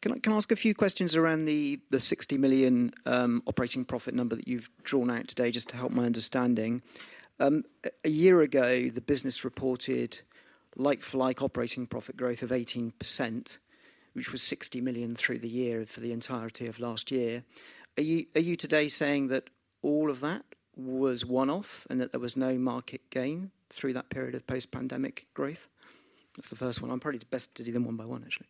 Can I ask a few questions around the 60 million operating profit number that you've drawn out today, just to help my understanding? A year ago, the business reported like-for-like operating profit growth of 18%, which was 60 million through the year for the entirety of last year. Are you today saying that all of that was one-off, and that there was no market gain through that period of post-pandemic growth? That's the first one. I'm probably best to do them one by one, actually.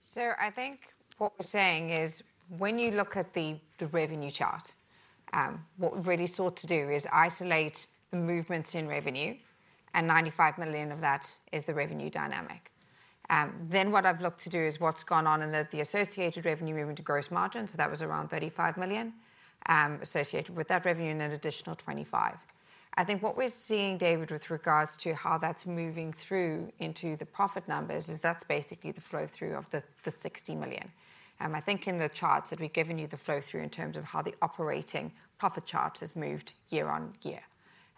So I think what we're saying is, when you look at the revenue chart, what we really sought to do is isolate the movements in revenue, and 95 million of that is the revenue dynamic. Then what I've looked to do is what's gone on in the associated revenue movement to gross margin, so that was around 35 million, associated with that revenue and an additional 25 million. I think what we're seeing, David, with regards to how that's moving through into the profit numbers, is that's basically the flow-through of the 60 million. I think in the charts that we've given you, the flow-through in terms of how the operating profit chart has moved year-on-year,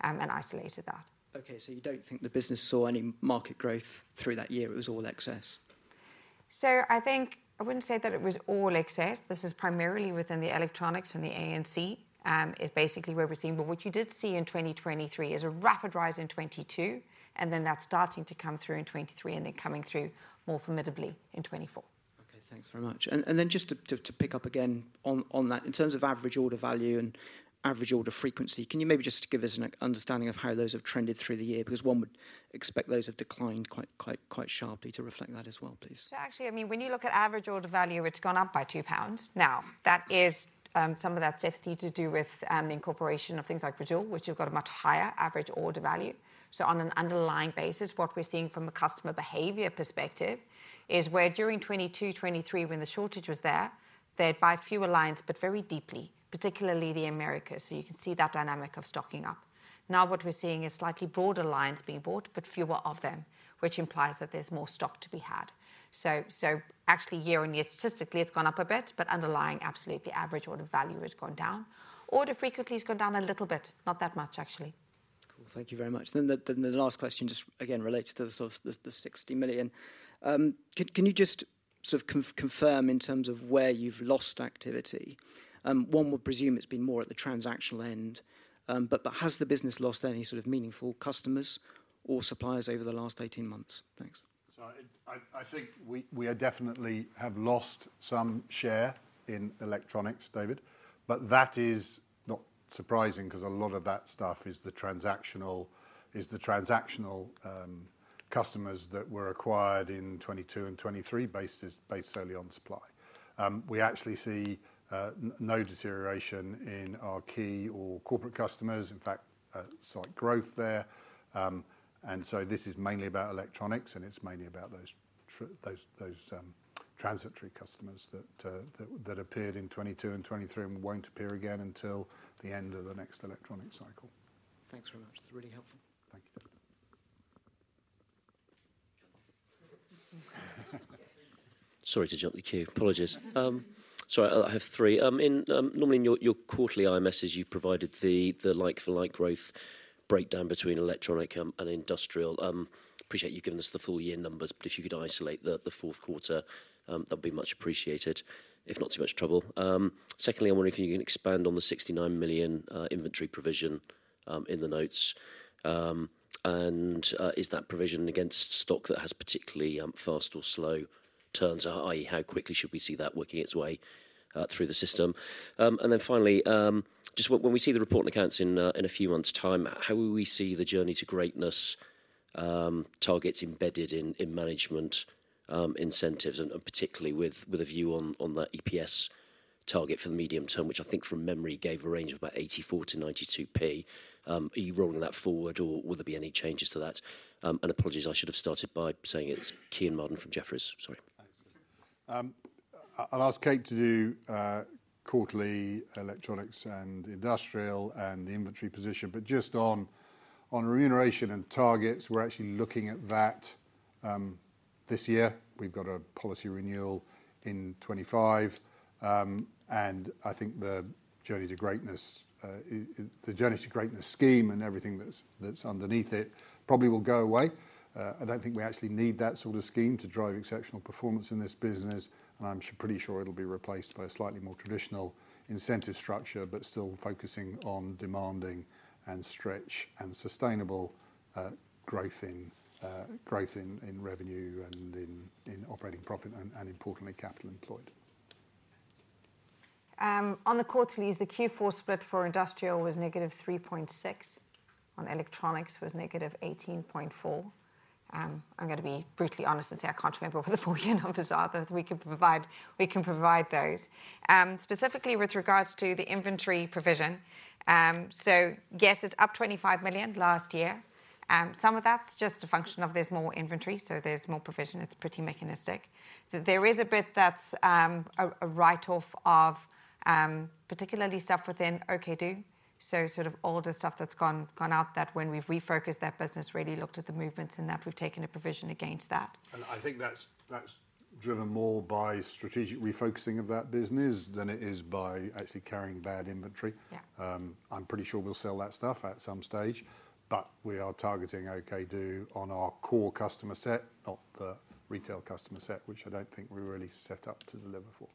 and isolated that. Okay, so you don't think the business saw any market growth through that year, it was all excess? So I think I wouldn't say that it was all excess. This is primarily within the electronics and the A&C, is basically where we're seeing. But what you did see in 2023 is a rapid rise in 2022, and then that's starting to come through in 2023, and then coming through more formidably in 2024. Okay, thanks very much. And then just to pick up again on that, in terms of average order value and average order frequency, can you maybe just give us an understanding of how those have trended through the year? Because one would expect those have declined quite sharply to reflect that as well, please. So actually, I mean, when you look at average order value, it's gone up by 2 pounds. Now, that is, some of that's definitely to do with the incorporation of things like Risoul, which you've got a much higher average order value. So on an underlying basis, what we're seeing from a customer behavior perspective is where during 2022, 2023, when the shortage was there, they'd buy fewer lines but very deeply, particularly the Americas. So you can see that dynamic of stocking up. Now, what we're seeing is slightly broader lines being bought, but fewer of them, which implies that there's more stock to be had. So actually, year-over-year, statistically, it's gone up a bit, but underlying, absolutely average order value has gone down. Order frequency has gone down a little bit, not that much, actually. Cool. Thank you very much. Then the last question, just again, related to sort of the 60 million. Can you just sort of confirm in terms of where you've lost activity? One would presume it's been more at the transactional end, but has the business lost any sort of meaningful customers or suppliers over the last 18 months? Thanks. So I think we definitely have lost some share in electronics, David, but that is not surprising 'cause a lot of that stuff is the transactional customers that were acquired in 2022 and 2023 based solely on supply. We actually see no deterioration in our key or corporate customers, in fact, slight growth there. And so this is mainly about electronics, and it's mainly about those transitory customers that appeared in 2022 and 2023 and won't appear again until the end of the next electronics cycle. Thanks very much. It's really helpful. Thank you, David. Sorry to jump the queue. Apologies. So I have three. Normally in your quarterly IMSs, you've provided the like-for-like growth breakdown between electronic and industrial. Appreciate you giving us the full year numbers, but if you could isolate the fourth quarter, that'd be much appreciated, if not too much trouble. Secondly, I wonder if you can expand on the 69 million inventory provision in the notes. Is that provision against stock that has particularly fast or slow turns, i.e., how quickly should we see that working its way through the system? Then finally, just when we see the report and accounts in a few months' time, how will we see the Journey to Greatness-... targets embedded in management incentives, and particularly with a view on that EPS target for the medium term, which I think from memory gave a range of about 84p-92p. Are you rolling that forward, or will there be any changes to that? Apologies, I should have started by saying it's Kean Marden from Jefferies. Sorry. Thanks. I'll ask Kate to do quarterly electronics and the industrial and the inventory position. But just on, on remuneration and targets, we're actually looking at that this year. We've got a policy renewal in 2025. And I think the Journey to Greatness, the Journey to Greatness scheme and everything that's, that's underneath it, probably will go away. I don't think we actually need that sort of scheme to drive exceptional performance in this business, and I'm pretty sure it'll be replaced by a slightly more traditional incentive structure, but still focusing on demanding and stretch and sustainable growth in, growth in revenue and in, operating profit and, importantly, capital employed. On the quarterlies, the Q4 split for industrial was -3.6%. On electronics was -18.4%. I'm gonna be brutally honest and say I can't remember what the full year numbers are, that we can provide. We can provide those. Specifically with regards to the inventory provision, so yes, it's up 25 million last year. Some of that's just a function of there's more inventory, so there's more provision. It's pretty mechanistic. There is a bit that's a write-off of, particularly stuff within OKdo. So sort of older stuff that's gone out, that when we've refocused that business, really looked at the movements, and that we've taken a provision against that. I think that's, that's driven more by strategic refocusing of that business than it is by actually carrying bad inventory. Yeah. I'm pretty sure we'll sell that stuff at some stage, but we are targeting OKdo on our core customer set, not the retail customer set, which I don't think we're really set up to deliver for.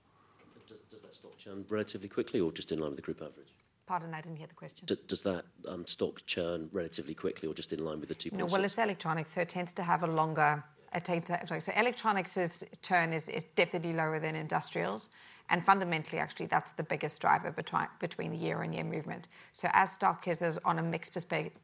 Does that stock churn relatively quickly or just in line with the group average? Pardon? I didn't hear the question. Does that stock churn relatively quickly or just in line with the two points? No, well, it's electronics, so it tends to have a longer... I'm sorry. So electronics's churn is definitely lower than industrials. And fundamentally, actually, that's the biggest driver between the year and year movement. So as stock is on a mixed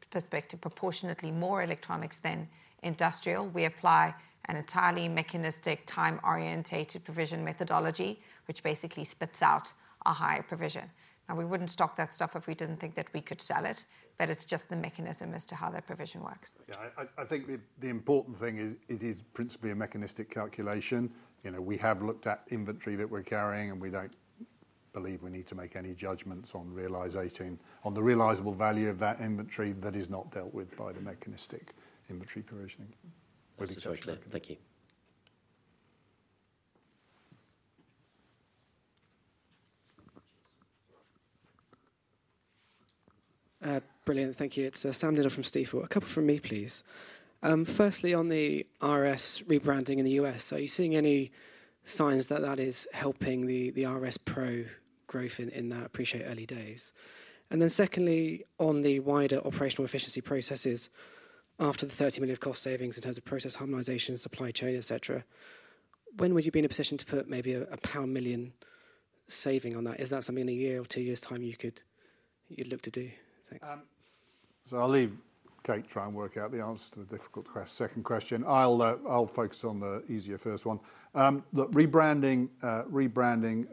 perspective, proportionately more electronics than industrial, we apply an entirely mechanistic, time-orientated provision methodology, which basically spits out a higher provision. Now, we wouldn't stock that stuff if we didn't think that we could sell it, but it's just the mechanism as to how that provision works. Yeah, I think the important thing is, it is principally a mechanistic calculation. You know, we have looked at inventory that we're carrying, and we don't believe we need to make any judgments on realizing—on the realizable value of that inventory that is not dealt with by the mechanistic inventory provisioning. That's totally clear. Thank you. Brilliant. Thank you. It's Sam Dindol from Stifel. A couple from me, please. Firstly, on the RS rebranding in the U.S., are you seeing any signs that that is helping the RS PRO growth in that? I appreciate early days. And then secondly, on the wider operational efficiency processes, after the 30 million cost savings in terms of process harmonization, supply chain, et cetera, when will you be in a position to put maybe a 1 million saving on that? Is that something in a year or two years' time you could, you'd look to do? Thanks. So I'll leave Kate try and work out the answer to the difficult second question. I'll focus on the easier first one. Look, rebranding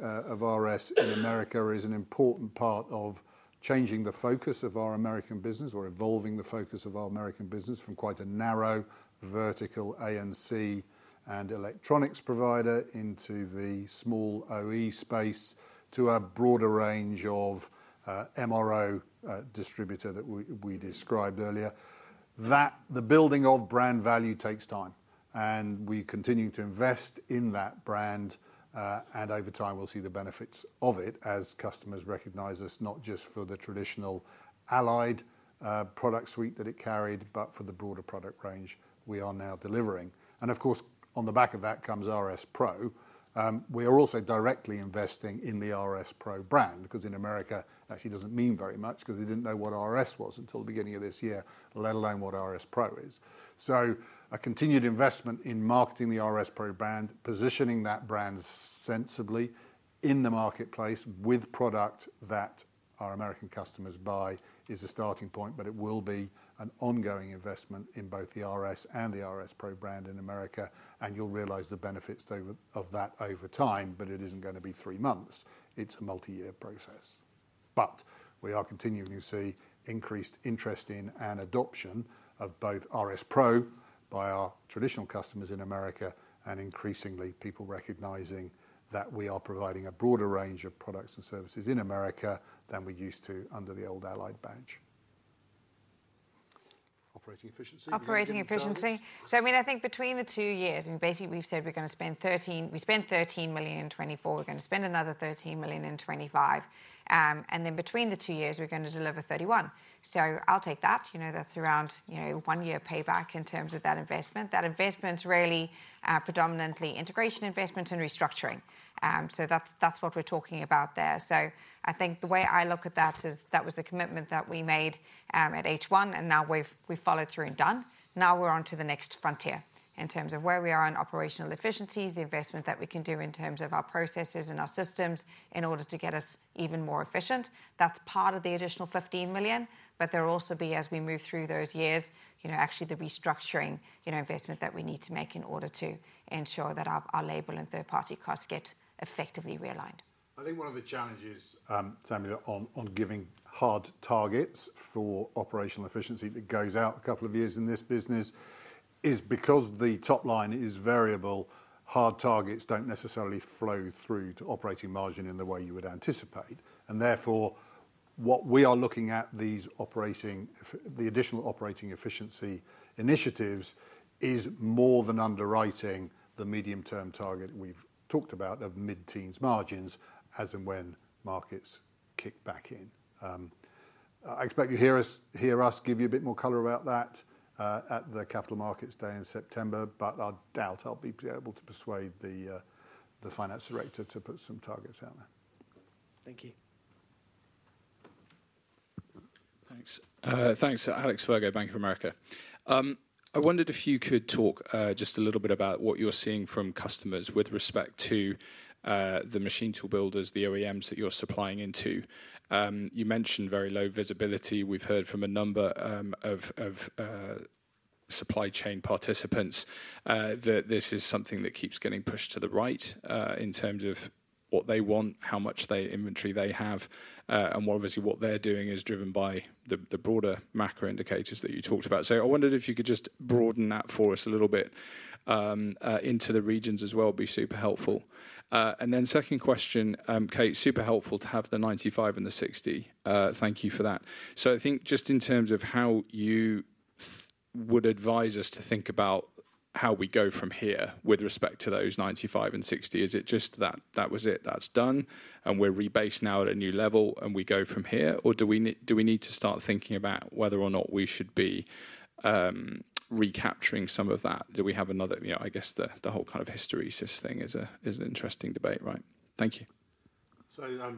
of RS in America is an important part of changing the focus of our American business or evolving the focus of our American business from quite a narrow, vertical A&C and electronics provider into the small OEM space, to a broader range of MRO distributor that we described earlier. The building of brand value takes time, and we continue to invest in that brand and over time, we'll see the benefits of it as customers recognize us not just for the traditional Allied product suite that it carried, but for the broader product range we are now delivering. And of course, on the back of that comes RS PRO. We are also directly investing in the RS PRO brand, because in America, actually doesn't mean very much, because they didn't know what RS was until the beginning of this year, let alone what RS PRO is. So a continued investment in marketing the RS PRO brand, positioning that brand sensibly in the marketplace with product that our American customers buy, is a starting point, but it will be an ongoing investment in both the RS and the RS PRO brand in America, and you'll realize the benefits over time, but it isn't gonna be three months. It's a multi-year process. But we are continuing to see increased interest in and adoption of both RS PRO by our traditional customers in America, and increasingly, people recognizing that we are providing a broader range of products and services in America than we used to under the old Allied badge. Operating efficiency- Operating efficiency... targets. So, I mean, I think between the two years, and basically, we've said we're gonna spend 13. We spent 13 million in 2024, we're gonna spend another 13 million in 2025. And then between the two years, we're gonna deliver 31 million. So I'll take that, you know, that's around, you know, 1-year payback in terms of that investment. That investment's really predominantly integration investment and restructuring, so that's what we're talking about there. So I think the way I look at that is, that was a commitment that we made at H1, and now we've followed through and done. Now we're on to the next frontier in terms of where we are on operational efficiencies, the investment that we can do in terms of our processes and our systems in order to get us even more efficient. That's part of the additional 15 million, but there'll also be, as we move through those years, you know, actually the restructuring, you know, investment that we need to make in order to ensure that our labor and third-party costs get effectively realigned. I think one of the challenges, Samuel, on giving hard targets for operational efficiency that goes out a couple of years in this business, is because the top line is variable, hard targets don't necessarily flow through to operating margin in the way you would anticipate. And therefore, what we are looking at, these additional operating efficiency initiatives, is more than underwriting the medium-term target we've talked about of mid-teens margins, as and when markets kick back in. I expect you'll hear us give you a bit more color about that, at the Capital Markets Day in September, but I doubt I'll be able to persuade the finance director to put some targets out there. Thank you. Thanks. Thanks. Alex Virgo, Bank of America. I wondered if you could talk, just a little bit about what you're seeing from customers with respect to, the machine tool builders, the OEMs that you're supplying into. You mentioned very low visibility. We've heard from a number of supply chain participants that this is something that keeps getting pushed to the right, in terms of what they want, how much they inventory they have, and well, obviously, what they're doing is driven by the broader macro indicators that you talked about. So I wondered if you could just broaden that for us a little bit, into the regions as well, be super helpful. And then second question, Kate, super helpful to have the 95 and the 60. Thank you for that. So I think just in terms of how you would advise us to think about how we go from here with respect to those 95 and 60, is it just that, that was it, that's done, and we're rebased now at a new level, and we go from here? Or do we need to start thinking about whether or not we should be, recapturing some of that? Do we have another... You know, I guess the, the whole kind of hysteresis thing is a, is an interesting debate, right? Thank you. So,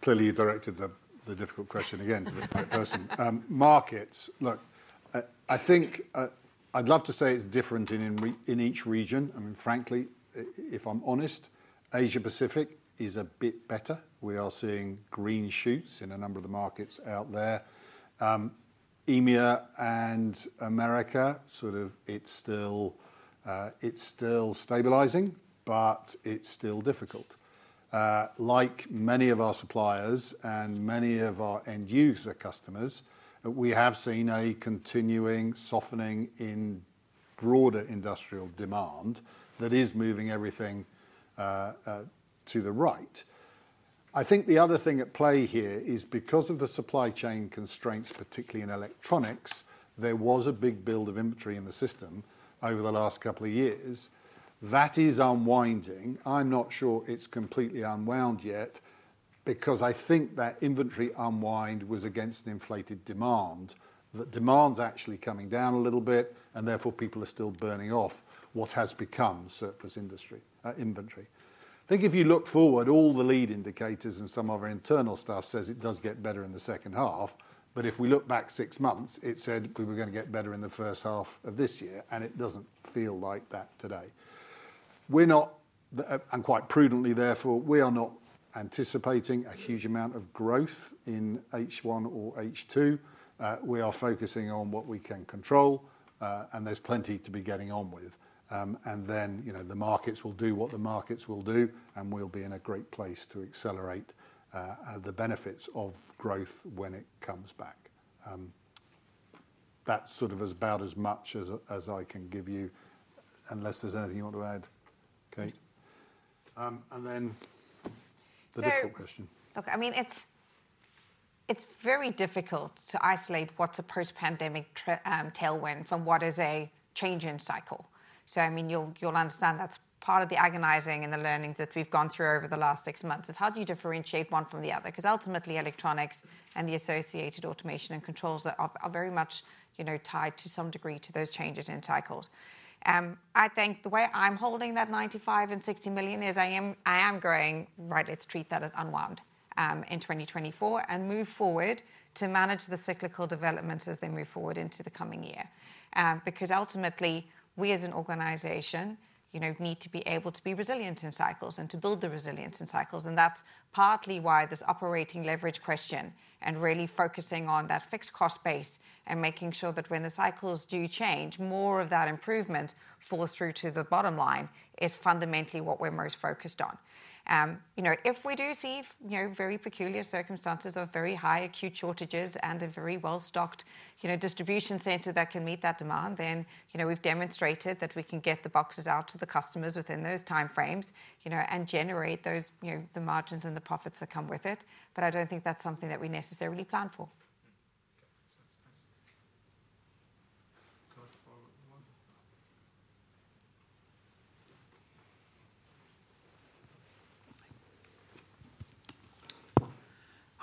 clearly, you directed the difficult question again to the right person. Markets. Look, I think I'd love to say it's different in each region. I mean, frankly, if I'm honest, Asia Pacific is a bit better. We are seeing green shoots in a number of the markets out there. EMEA and America, sort of it's still, it's still stabilising, but it's still difficult. Like many of our suppliers and many of our end user customers, we have seen a continuing softening in broader industrial demand that is moving everything to the right. I think the other thing at play here is because of the supply chain constraints, particularly in electronics, there was a big build of inventory in the system over the last couple of years. That is unwinding. I'm not sure it's completely unwound yet, because I think that inventory unwind was against an inflated demand. The demand's actually coming down a little bit, and therefore, people are still burning off what has become surplus industry, inventory. I think if you look forward, all the lead indicators and some of our internal stuff says it does get better in the second half, but if we look back six months, it said we were gonna get better in the first half of this year, and it doesn't feel like that today. We're not, and quite prudently, therefore, we are not anticipating a huge amount of growth in H1 or H2. We are focusing on what we can control, and there's plenty to be getting on with. And then, you know, the markets will do what the markets will do, and we'll be in a great place to accelerate the benefits of growth when it comes back. That's sort of about as much as I can give you, unless there's anything you want to add, Kate? And then the difficult question. So, look, I mean, it's very difficult to isolate what's a post-pandemic tailwind from what is a change in cycle. So I mean, you'll understand that's part of the agonizing and the learnings that we've gone through over the last six months, is how do you differentiate one from the other? Because ultimately, electronics and the associated automation and controls are very much, you know, tied to some degree to those changes in cycles. I think the way I'm holding that 95 million and 60 million is I am, I am going, "Right, let's treat that as unwound in 2024, and move forward to manage the cyclical developments as they move forward into the coming year." Because ultimately, we as an organization, you know, need to be able to be resilient in cycles and to build the resilience in cycles, and that's partly why this operating leverage question and really focusing on that fixed cost base and making sure that when the cycles do change, more of that improvement falls through to the bottom line, is fundamentally what we're most focused on. You know, if we do see, you know, very peculiar circumstances of very high acute shortages and a very well-stocked, you know, distribution center that can meet that demand, then, you know, we've demonstrated that we can get the boxes out to the customers within those time frames, you know, and generate those, you know, the margins and the profits that come with it. But I don't think that's something that we necessarily plan for.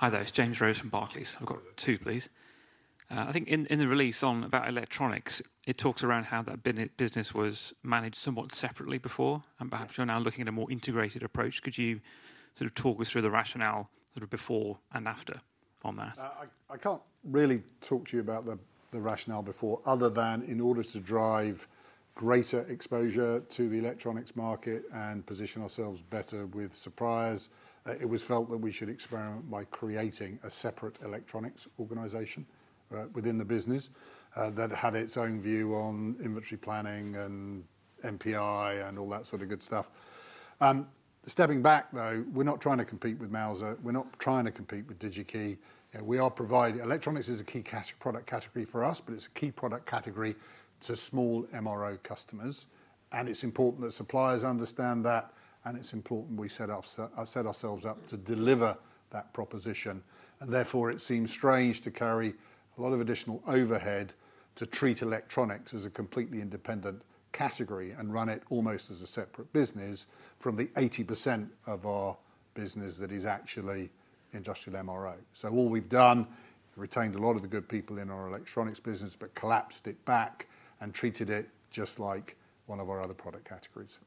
Mm-hmm. Okay, thanks. Can I follow up more?... Hi there, it's James Rose from Barclays. I've got two, please. I think in the release about electronics, it talks around how that business was managed somewhat separately before, and perhaps you're now looking at a more integrated approach. Could you sort of talk us through the rationale, sort of before and after on that? I can't really talk to you about the rationale before, other than in order to drive greater exposure to the electronics market and position ourselves better with suppliers, it was felt that we should experiment by creating a separate electronics organization within the business that had its own view on inventory planning and NPI, and all that sort of good stuff. Stepping back, though, we're not trying to compete with Mouser, we're not trying to compete with DigiKey. We are providing... Electronics is a key product category for us, but it's a key product category to small MRO customers, and it's important that suppliers understand that, and it's important we set ourselves up to deliver that proposition. Therefore, it seems strange to carry a lot of additional overhead to treat electronics as a completely independent category and run it almost as a separate business from the 80% of our business that is actually industrial MRO. All we've done, retained a lot of the good people in our electronics business, but collapsed it back and treated it just like one of our other product categories.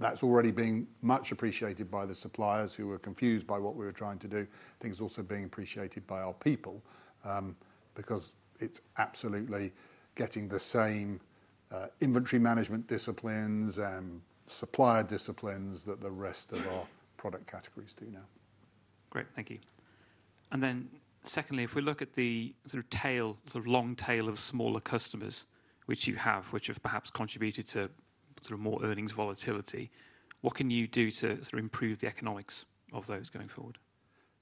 That's already been much appreciated by the suppliers who were confused by what we were trying to do. I think it's also being appreciated by our people because it's absolutely getting the same inventory management disciplines and supplier disciplines that the rest of our product categories do now. Great, thank you. And then, secondly, if we look at the sort of tail, sort of long tail of smaller customers, which you have, which have perhaps contributed to sort of more earnings volatility, what can you do to sort of improve the economics of those going forward?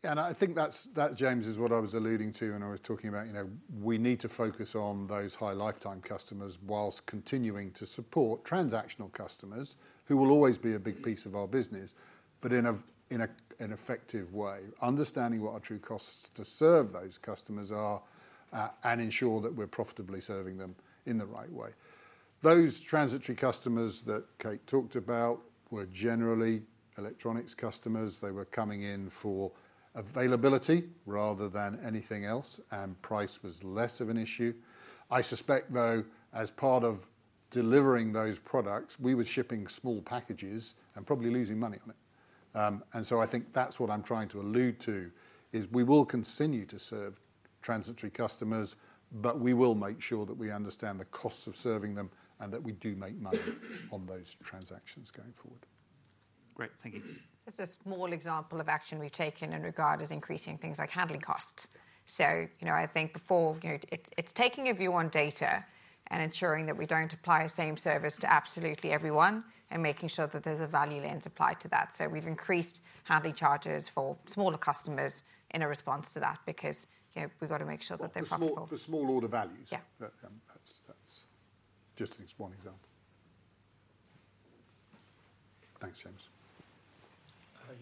Yeah, and I think that's, that, James, is what I was alluding to when I was talking about, you know, we need to focus on those high lifetime customers whilst continuing to support transactional customers, who will always be a big piece of our business, but in a, in a, an effective way. Understanding what our true costs to serve those customers are, and ensure that we're profitably serving them in the right way. Those transitory customers that Kate talked about were generally electronics customers. They were coming in for availability rather than anything else, and price was less of an issue. I suspect, though, as part of delivering those products, we were shipping small packages and probably losing money on it. And so I think that's what I'm trying to allude to, is we will continue to serve transitory customers, but we will make sure that we understand the costs of serving them and that we do make money on those transactions going forward. Great, thank you. Just a small example of action we've taken in regard is increasing things like handling costs. So, you know, I think before, you know, it's taking a view on data and ensuring that we don't apply the same service to absolutely everyone, and making sure that there's a value lens applied to that. So we've increased handling charges for smaller customers in response to that because, you know, we've got to make sure that they're profitable. For small order values. Yeah. That, that's just a small example. Thanks, James.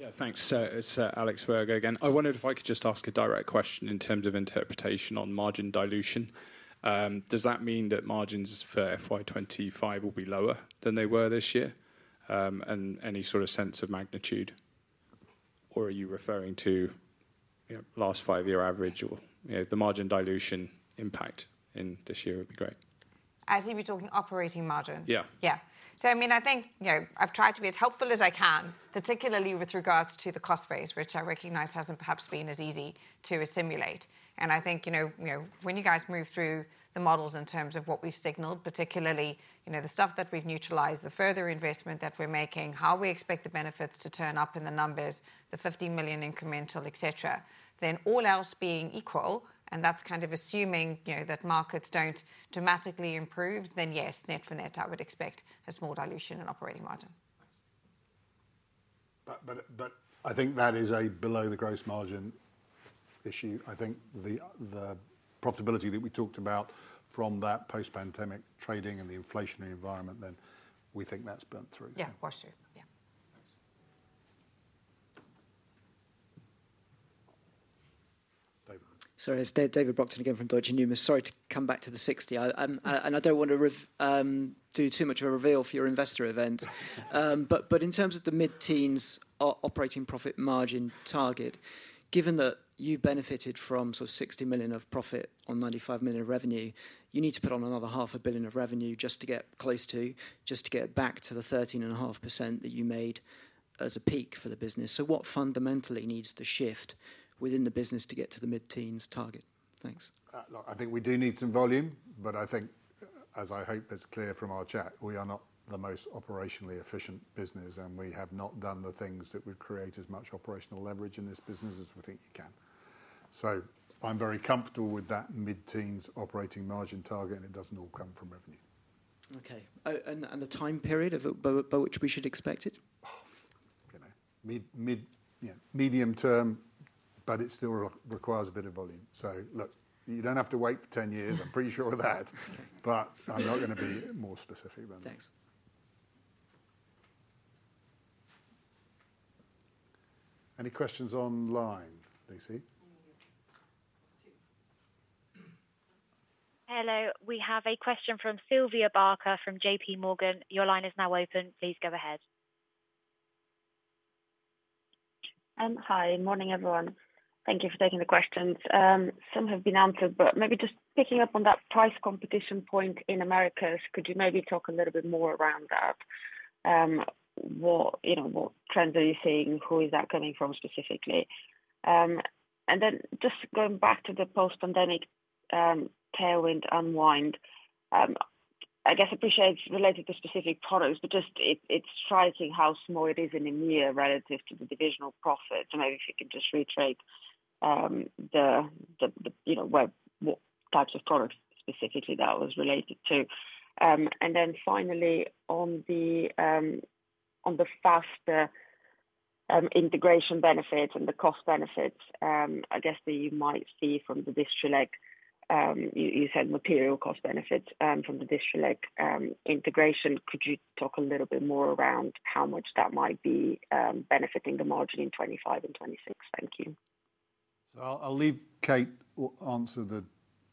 Yeah, thanks. It's Alex Virgo again. I wondered if I could just ask a direct question in terms of interpretation on margin dilution. Does that mean that margins for FY 2025 will be lower than they were this year? And any sort of sense of magnitude, or are you referring to, you know, last five-year average or, you know, the margin dilution impact in this year would be great. I assume you're talking operating margin? Yeah. Yeah. So, I mean, I think, you know, I've tried to be as helpful as I can, particularly with regards to the cost base, which I recognize hasn't perhaps been as easy to assimilate. And I think, you know, you know, when you guys move through the models in terms of what we've signalled, particularly, you know, the stuff that we've neutralised, the further investment that we're making, how we expect the benefits to turn up in the numbers, the 50 million incremental, et cetera, then all else being equal, and that's kind of assuming, you know, that markets don't dramatically improve, then yes, net for net, I would expect a small dilution in operating margin. Thanks. But I think that is a below-the-gross margin issue. I think the profitability that we talked about from that post-pandemic trading and the inflationary environment, then we think that's burned through. Yeah, for sure. Yeah. Thanks. David. Sorry, it's David Brockton again from Deutsche Numis. Sorry to come back to the sixty. I, and I don't want to do too much of a reveal for your investor event. But, but in terms of the mid-teens operating profit margin target, given that you benefited from sort of 60 million of profit on 95 million of revenue, you need to put on another 500 million of revenue just to get close to, just to get back to the 13.5% that you made as a peak for the business. So what fundamentally needs to shift within the business to get to the mid-teens target? Thanks. Look, I think we do need some volume, but I think, as I hope is clear from our chat, we are not the most operationally efficient business, and we have not done the things that would create as much operational leverage in this business as we think we can. So I'm very comfortable with that mid-teens operating margin target, and it doesn't all come from revenue. Okay. And the time period by which we should expect it? Oh, you know, medium term, but it still requires a bit of volume. So look, you don't have to wait for 10 years, I'm pretty sure of that but I'm not going to be more specific than this. Thanks. Any questions online, Lacey?... Hello, we have a question from Sylvia Barker from JPMorgan. Your line is now open. Please go ahead. Hi, morning, everyone. Thank you for taking the questions. Some have been answered, but maybe just picking up on that price competition point in Americas, could you maybe talk a little bit more around that? What, you know, what trends are you seeing? Who is that coming from specifically? And then just going back to the post-pandemic, tailwind unwind, I guess appreciate it's related to specific products, but just it, it's striking how small it is in the near relative to the divisional profit. So maybe if you could just retread, you know, what types of products specifically that was related to. And then finally, on the faster integration benefits and the cost benefits, I guess that you might see from the Distrelec, you said material cost benefits from the Distrelec integration. Could you talk a little bit more around how much that might be benefiting the margin in 2025 and 2026? Thank you. So I'll leave Kate to answer the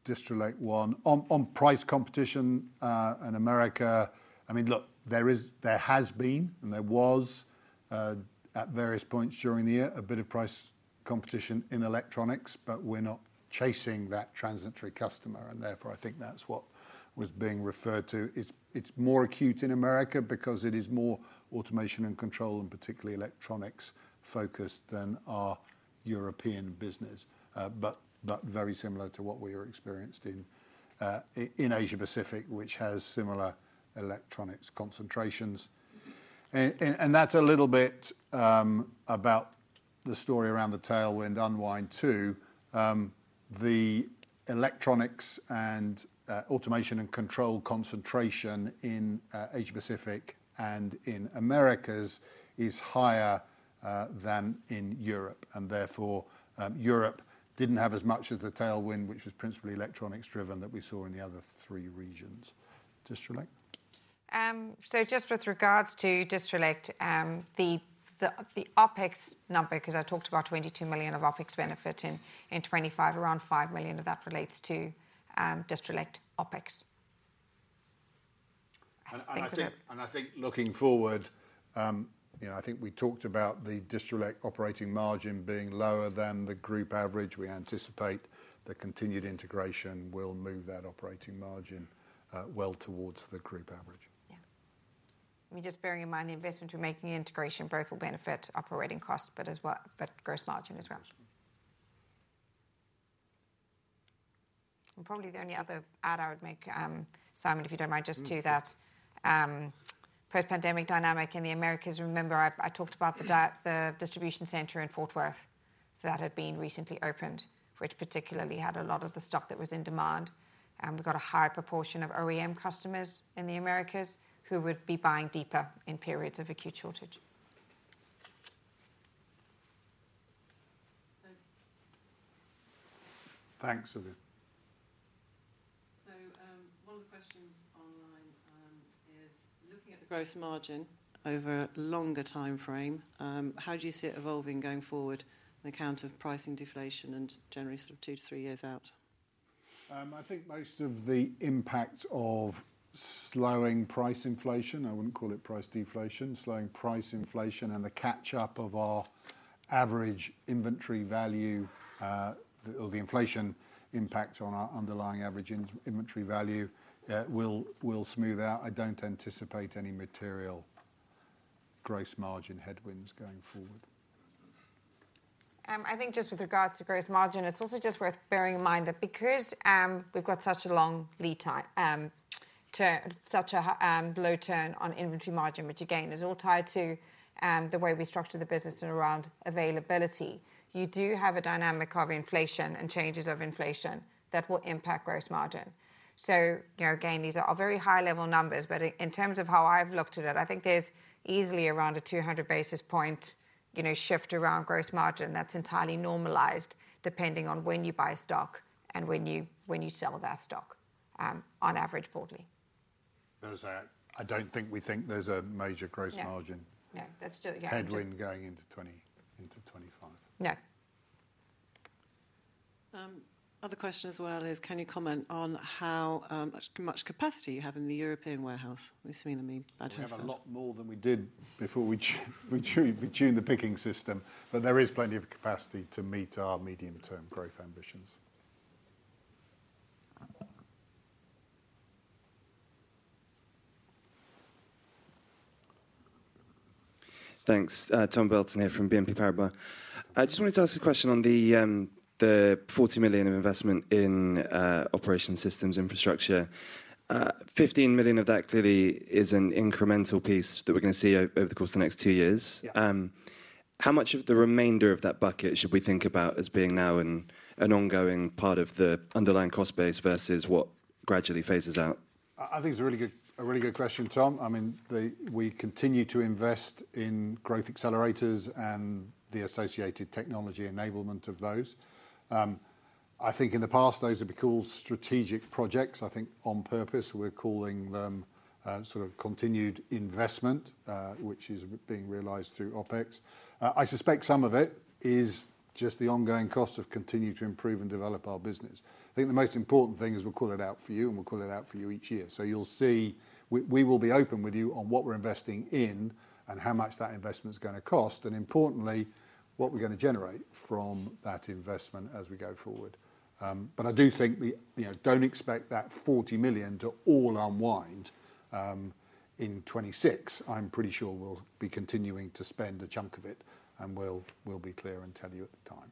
Distrelec one. On price competition in America, I mean, look, there is. There has been, and there was, at various points during the year, a bit of price competition in electronics, but we're not chasing that transitory customer, and therefore, I think that's what was being referred to. It's more acute in America because it is more automation and control, and particularly electronics focused than our European business. But very similar to what we experienced in in Asia Pacific, which has similar electronics concentrations. And that's a little bit about the story around the tailwind unwind, too. The electronics and automation and control concentration in Asia Pacific and in Americas is higher than in Europe, and therefore, Europe didn't have as much as the tailwind, which was principally electronics driven, that we saw in the other three regions. Distrelec? So just with regards to Distrelec, the OpEx number, 'cause I talked about 22 million of OpEx benefit in 2025, around 5 million of that relates to Distrelec OpEx. I think that- I think looking forward, you know, I think we talked about the Distrelec operating margin being lower than the group average. We anticipate the continued integration will move that operating margin, well towards the group average. Yeah. I mean, just bearing in mind, the investment we're making in integration both will benefit operating costs, but as well, but gross margin as well. And probably the only other add I would make, Simon, if you don't mind, just to that, post-pandemic dynamic in the Americas, remember, I talked about the distribution center in Fort Worth that had been recently opened, which particularly had a lot of the stock that was in demand. We've got a higher proportion of OEM customers in the Americas who would be buying deeper in periods of acute shortage. So- Thanks, Silvia. One of the questions online is: looking at the gross margin over a longer timeframe, how do you see it evolving going forward on account of pricing deflation and generally sort of two to three years out? I think most of the impact of slowing price inflation, I wouldn't call it price deflation, slowing price inflation and the catch-up of our average inventory value, or the inflation impact on our underlying average inventory value, will smooth out. I don't anticipate any material gross margin headwinds going forward. I think just with regards to gross margin, it's also just worth bearing in mind that because we've got such a long lead time, such a low turn on inventory margin, which again, is all tied to the way we structure the business and around availability, you do have a dynamic of inflation and changes of inflation that will impact gross margin. So, you know, again, these are all very high-level numbers, but in terms of how I've looked at it, I think there's easily around a 200 basis point, you know, shift around gross margin that's entirely normalized, depending on when you buy stock and when you, when you sell that stock, on average quarterly. I don't think we think there's a major gross margin- Yeah. No, that's just, yeah- Headwind going into 2020, into 2025. No. Other question as well is, can you comment on how much capacity you have in the European warehouse? What does it mean, I mean, I don't know. We have a lot more than we did before we tuned the picking system, but there is plenty of capacity to meet our medium-term growth ambitions. Thanks. Tom Burlton here from BNP Paribas. I just wanted to ask a question on the 40 million of investment in operating systems infrastructure. Fifteen million of that clearly is an incremental piece that we're going to see over the course of the next two years. Yeah. How much of the remainder of that bucket should we think about as being now an ongoing part of the underlying cost base versus what gradually phases out? I think it's a really good question, Tom. I mean, we continue to invest in growth accelerators and the associated technology enablement of those. I think in the past, those would be called strategic projects. I think on purpose, we're calling them sort of continued investment, which is being realized through OpEx. I suspect some of it is just the ongoing cost of continuing to improve and develop our business. I think the most important thing is we'll call it out for you, and we'll call it out for you each year. So you'll see, we will be open with you on what we're investing in and how much that investment's gonna cost, and importantly, what we're gonna generate from that investment as we go forward. But I do think the, you know, don't expect that 40 million to all unwind in 2026. I'm pretty sure we'll be continuing to spend a chunk of it, and we'll, we'll be clear and tell you at the time.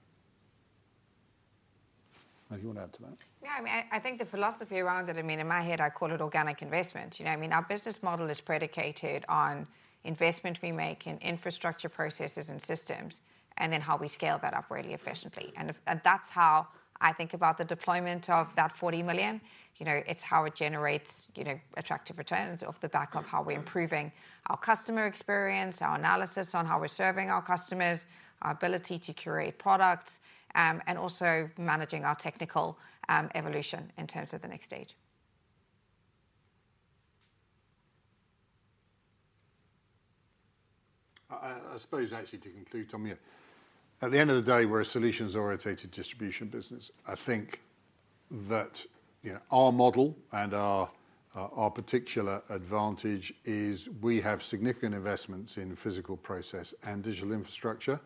Do you want to add to that? Yeah, I mean, I think the philosophy around it, I mean, in my head, I call it organic investment. You know, I mean, our business model is predicated on investment we make in infrastructure, processes, and systems, and then how we scale that up really efficiently. And that's how I think about the deployment of that 40 million. You know, it's how it generates, you know, attractive returns off the back of how we're improving our customer experience, our analysis on how we're serving our customers, our ability to curate products, and also managing our technical evolution in terms of the next stage. I suppose actually, to conclude, Tom, yeah, at the end of the day, we're a solutions-oriented distribution business. I think that, you know, our model and our particular advantage is we have significant investments in physical process and digital infrastructure.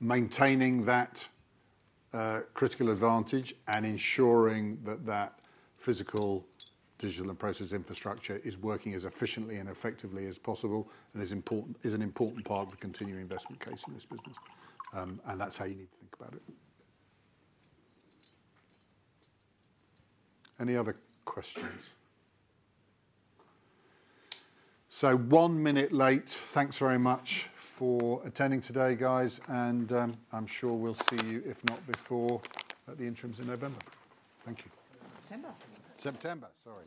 Maintaining that critical advantage and ensuring that that physical, digital, and process infrastructure is working as efficiently and effectively as possible, and is an important part of the continuing investment case in this business. And that's how you need to think about it. Any other questions? So one minute late. Thanks very much for attending today, guys, and I'm sure we'll see you, if not before, at the interims in November. Thank you. September. September, sorry.